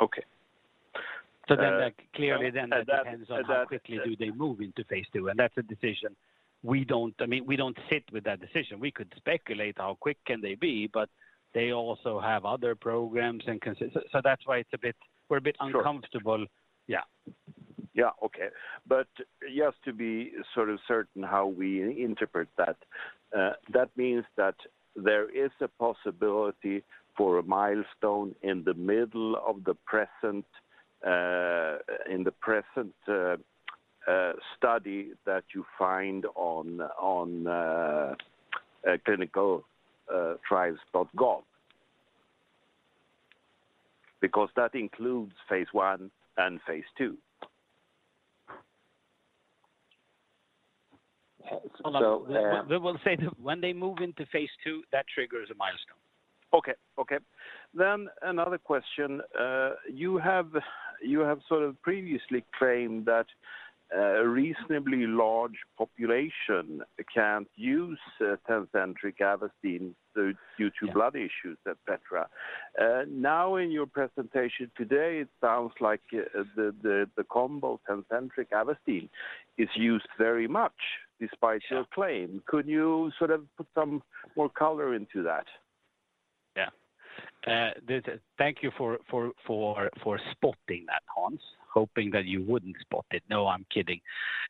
Okay. Like, clearly then that depends on how quickly do they move into phase II, and that's a decision. I mean, we don't sit with that decision. We could speculate how quick can they be, but they also have other programs. That's why it's a bit, we're a bit uncomfortable. Sure. Yeah. Just to be sort of certain how we interpret that means that there is a possibility for a milestone in the middle of the present study that you find on ClinicalTrials.gov. Because that includes phase I and phase II. We will say that when they move into phase II, that triggers a milestone. Okay. Another question. You have sort of previously claimed that a reasonably large population can't use Tecentriq Avastin due to blood issues, et cetera. Now in your presentation today, it sounds like the combo Tecentriq Avastin is used very much despite your claim. Could you sort of put some more color into that? Yeah. Thank you for spotting that, Hans. Hoping that you wouldn't spot it. No, I'm kidding.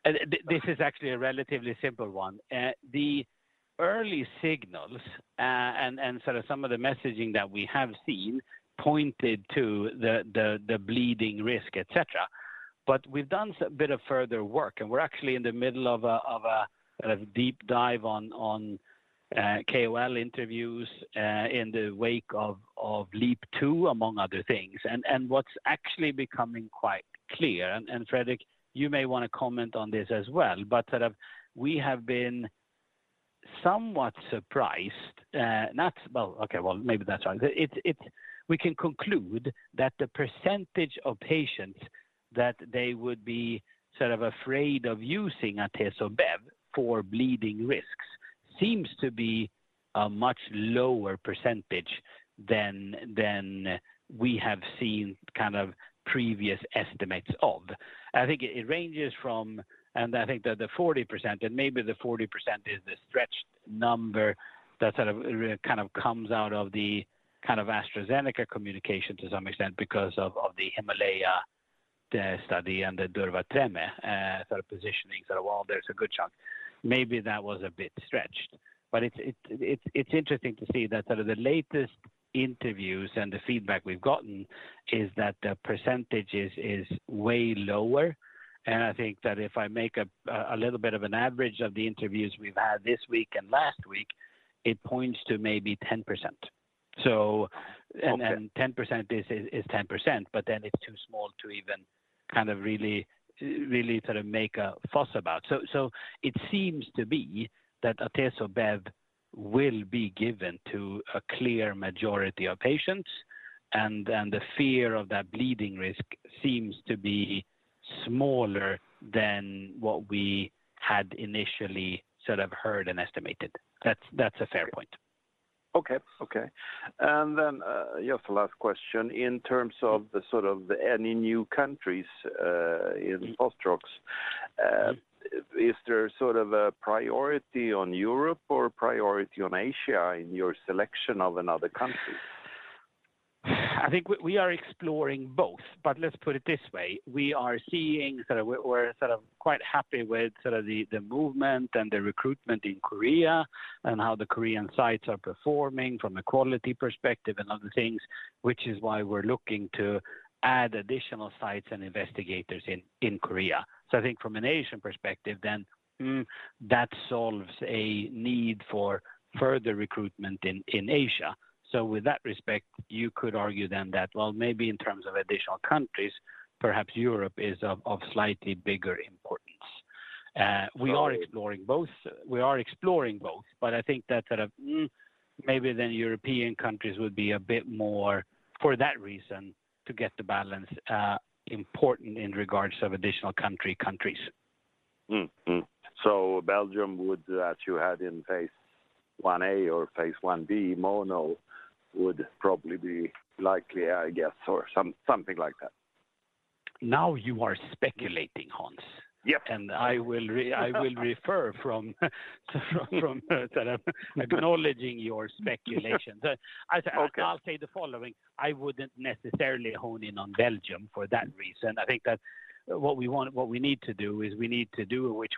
This is actually a relatively simple one. The early signals and sort of some of the messaging that we have seen pointed to the bleeding risk, et cetera. We've done a bit of further work, and we're actually in the middle of a sort of deep dive on KOL interviews in the wake of LEAP-2, among other things. What's actually becoming quite clear, and Fredrik, you may wanna comment on this as well, but sort of we have been somewhat surprised, not. Well, okay, well, maybe that's right. We can conclude that the percentage of patients that they would be sort of afraid of using Atezo-Bev for bleeding risks seems to be a much lower percentage than we have seen kind of previous estimates of. I think it ranges from. I think the 40%, and maybe the 40% is the stretched number that sort of kind of comes out of the kind of AstraZeneca communication to some extent because of the HIMALAYA study and the durvalumab arm sort of positioning sort of well, there's a good chunk. Maybe that was a bit stretched, but it's interesting to see that sort of the latest interviews and the feedback we've gotten is that the percentage is way lower. I think that if I make a little bit of an average of the interviews we've had this week and last week, it points to maybe 10%. Okay. Ten percent is 10%, but then it's too small to even kind of really, really sort of make a fuss about. It seems to be that Atezo-Bev will be given to a clear majority of patients, and then the fear of that bleeding risk seems to be smaller than what we had initially sort of heard and estimated. That's a fair point. Okay. Just the last question. In terms of the sort of any new countries in Fostrox, is there sort of a priority on Europe or priority on Asia in your selection of another country? I think we are exploring both, but let's put it this way. We are seeing sort of we are sort of quite happy with sort of the movement and the recruitment in Korea and how the Korean sites are performing from a quality perspective and other things, which is why we're looking to add additional sites and investigators in Korea. I think from an Asian perspective then, that solves a need for further recruitment in Asia. With that respect, you could argue then that, well, maybe in terms of additional countries, perhaps Europe is of slightly bigger importance. We are exploring both, but I think that sort of, maybe then European countries would be a bit more, for that reason, to get the balance important in regards of additional countries. Below what you had in phase IA or phase IB mono would probably be likely, I guess, or something like that. Now you are speculating, Hans. Yep. I will refrain from sort of acknowledging your speculations. Okay. I'll say the following. I wouldn't necessarily hone in on Belgium for that reason. I think that what we want, what we need to do, which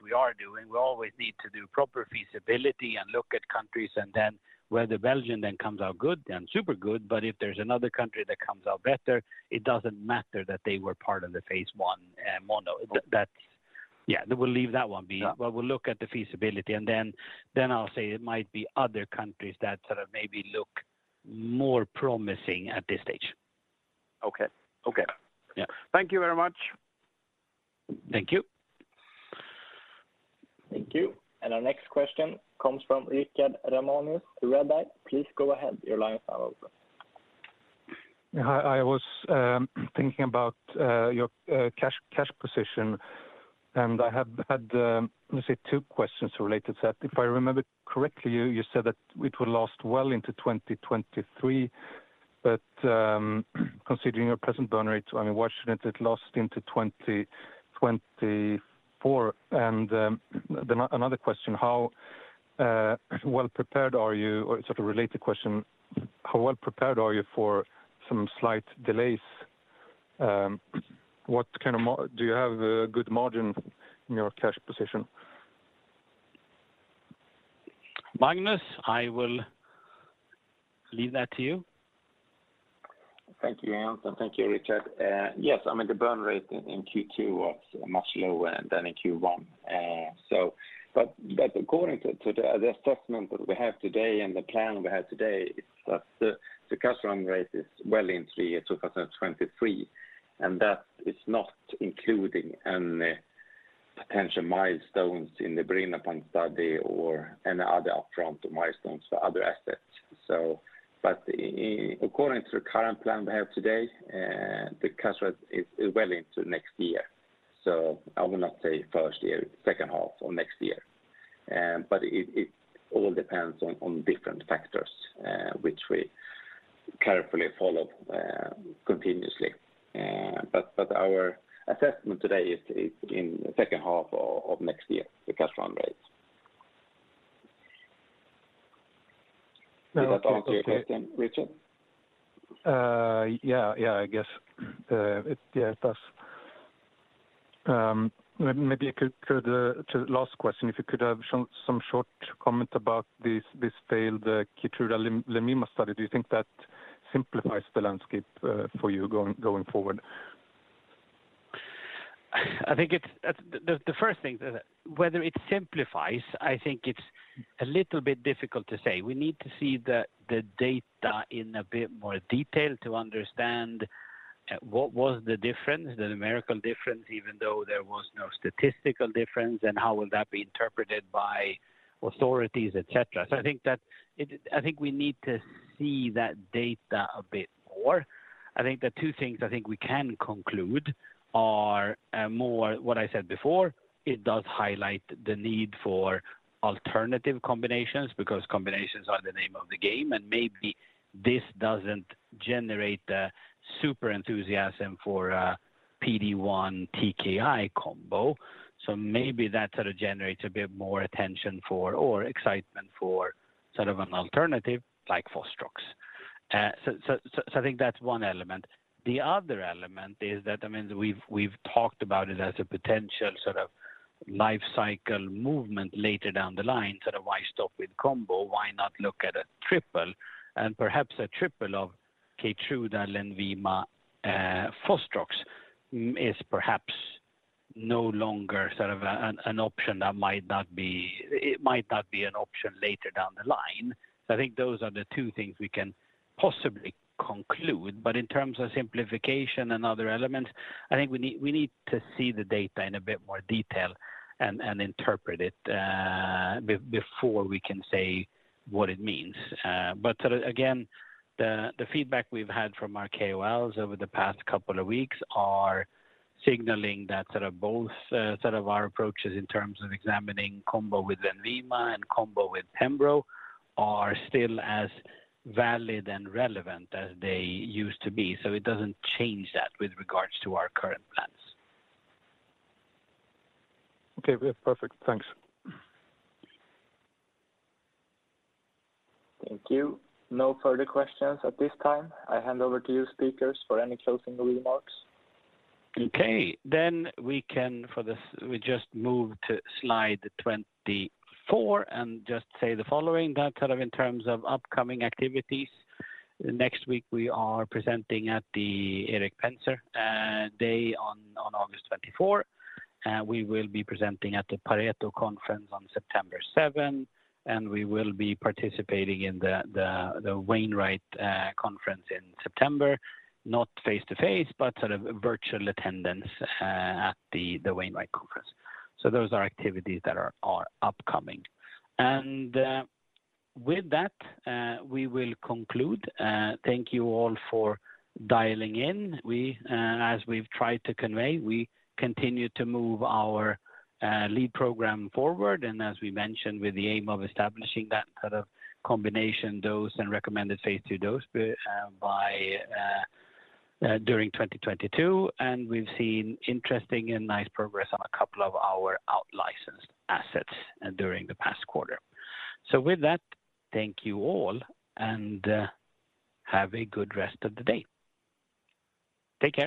we are doing, we always need to do proper feasibility and look at countries and then whether Belgium then comes out good, then super good. If there's another country that comes out better, it doesn't matter that they were part of the phase 1 mono. That's. Yeah, we'll leave that one be. Yeah. We'll look at the feasibility, and then I'll say it might be other countries that sort of maybe look more promising at this stage. Okay, okay. Yeah. Thank you very much. Thank you. Thank you. Our next question comes from Richard Ramanius, Redeye. Please go ahead. Your line's now open. Hi. I was thinking about your cash position, and I have had, let's say, two questions related to that. If I remember correctly, you said that it will last well into 2023, but considering your present burn rate, I mean, why shouldn't it last into 2024? Another question, how well-prepared are you, or sort of related question, how well-prepared are you for some slight delays? What kind of margin do you have in your cash position? Magnus, I will leave that to you. Thank you, Hans, and thank you, Richard. Yes, I mean, the burn rate in Q2 was much lower than in Q1. According to the assessment that we have today and the plan we have today is that the cash burn rate is well into year 2023, and that is not including any potential milestones in the birinapant study or any other upfront milestones for other assets. According to the current plan we have today, the cash burn is well into next year. I will not say first year, second half or next year. It all depends on different factors which we carefully follow continuously. Our assessment today is in the second half of next year, the cash burn rate. Now. Does that answer your question, Richard? Yeah, yeah, I guess it does. Maybe you could to the last question, if you could have some short comment about this failed Keytruda/Lenvima study. Do you think that simplifies the landscape, for you going forward? I think it's the first thing is whether it simplifies. I think it's a little bit difficult to say. We need to see the data in a bit more detail to understand what was the difference, the numerical difference, even though there was no statistical difference, and how will that be interpreted by authorities, et cetera. I think that it. I think we need to see that data a bit more. I think the two things I think we can conclude are more what I said before. It does highlight the need for alternative combinations because combinations are the name of the game, and maybe this doesn't generate a super enthusiasm for PD-1 TKI combo. Maybe that sort of generates a bit more attention for or excitement for sort of an alternative like Fostrox. I think that's one element. The other element is that, I mean, we've talked about it as a potential sort of life cycle movement later down the line, sort of why stop with combo? Why not look at a triple? Perhaps a triple of Keytruda, Lenvima, Fostrox is perhaps no longer sort of an option that might not be. It might not be an option later down the line. I think those are the two things we can possibly conclude. In terms of simplification and other elements, I think we need to see the data in a bit more detail and interpret it before we can say what it means. Sort of again, the feedback we've had from our KOLs over the past couple of weeks are signaling that sort of both, sort of our approaches in terms of examining combo with Lenvima and combo with Pembrolizumab are still as valid and relevant as they used to be. It doesn't change that with regards to our current plans. Okay. Yeah. Perfect. Thanks. Thank you. No further questions at this time. I hand over to you speakers for any closing remarks. We just move to slide 24 and just say the following. That sort of in terms of upcoming activities, next week we are presenting at the Erik Penser Day on August 24th. We will be presenting at the Pareto Securities conference on September 7th, and we will be participating in the H.C. Wainwright conference in September. Not face-to-face, but sort of virtual attendance at the H.C. Wainwright conference. Those are activities that are upcoming. With that, we will conclude. Thank you all for dialing in. We, as we've tried to convey, we continue to move our lead program forward, and as we mentioned, with the aim of establishing that sort of combination dose and recommended phase II dose by during 2022. We've seen interesting and nice progress on a couple of our outlicensed assets during the past quarter. With that, thank you all, and have a good rest of the day. Take care.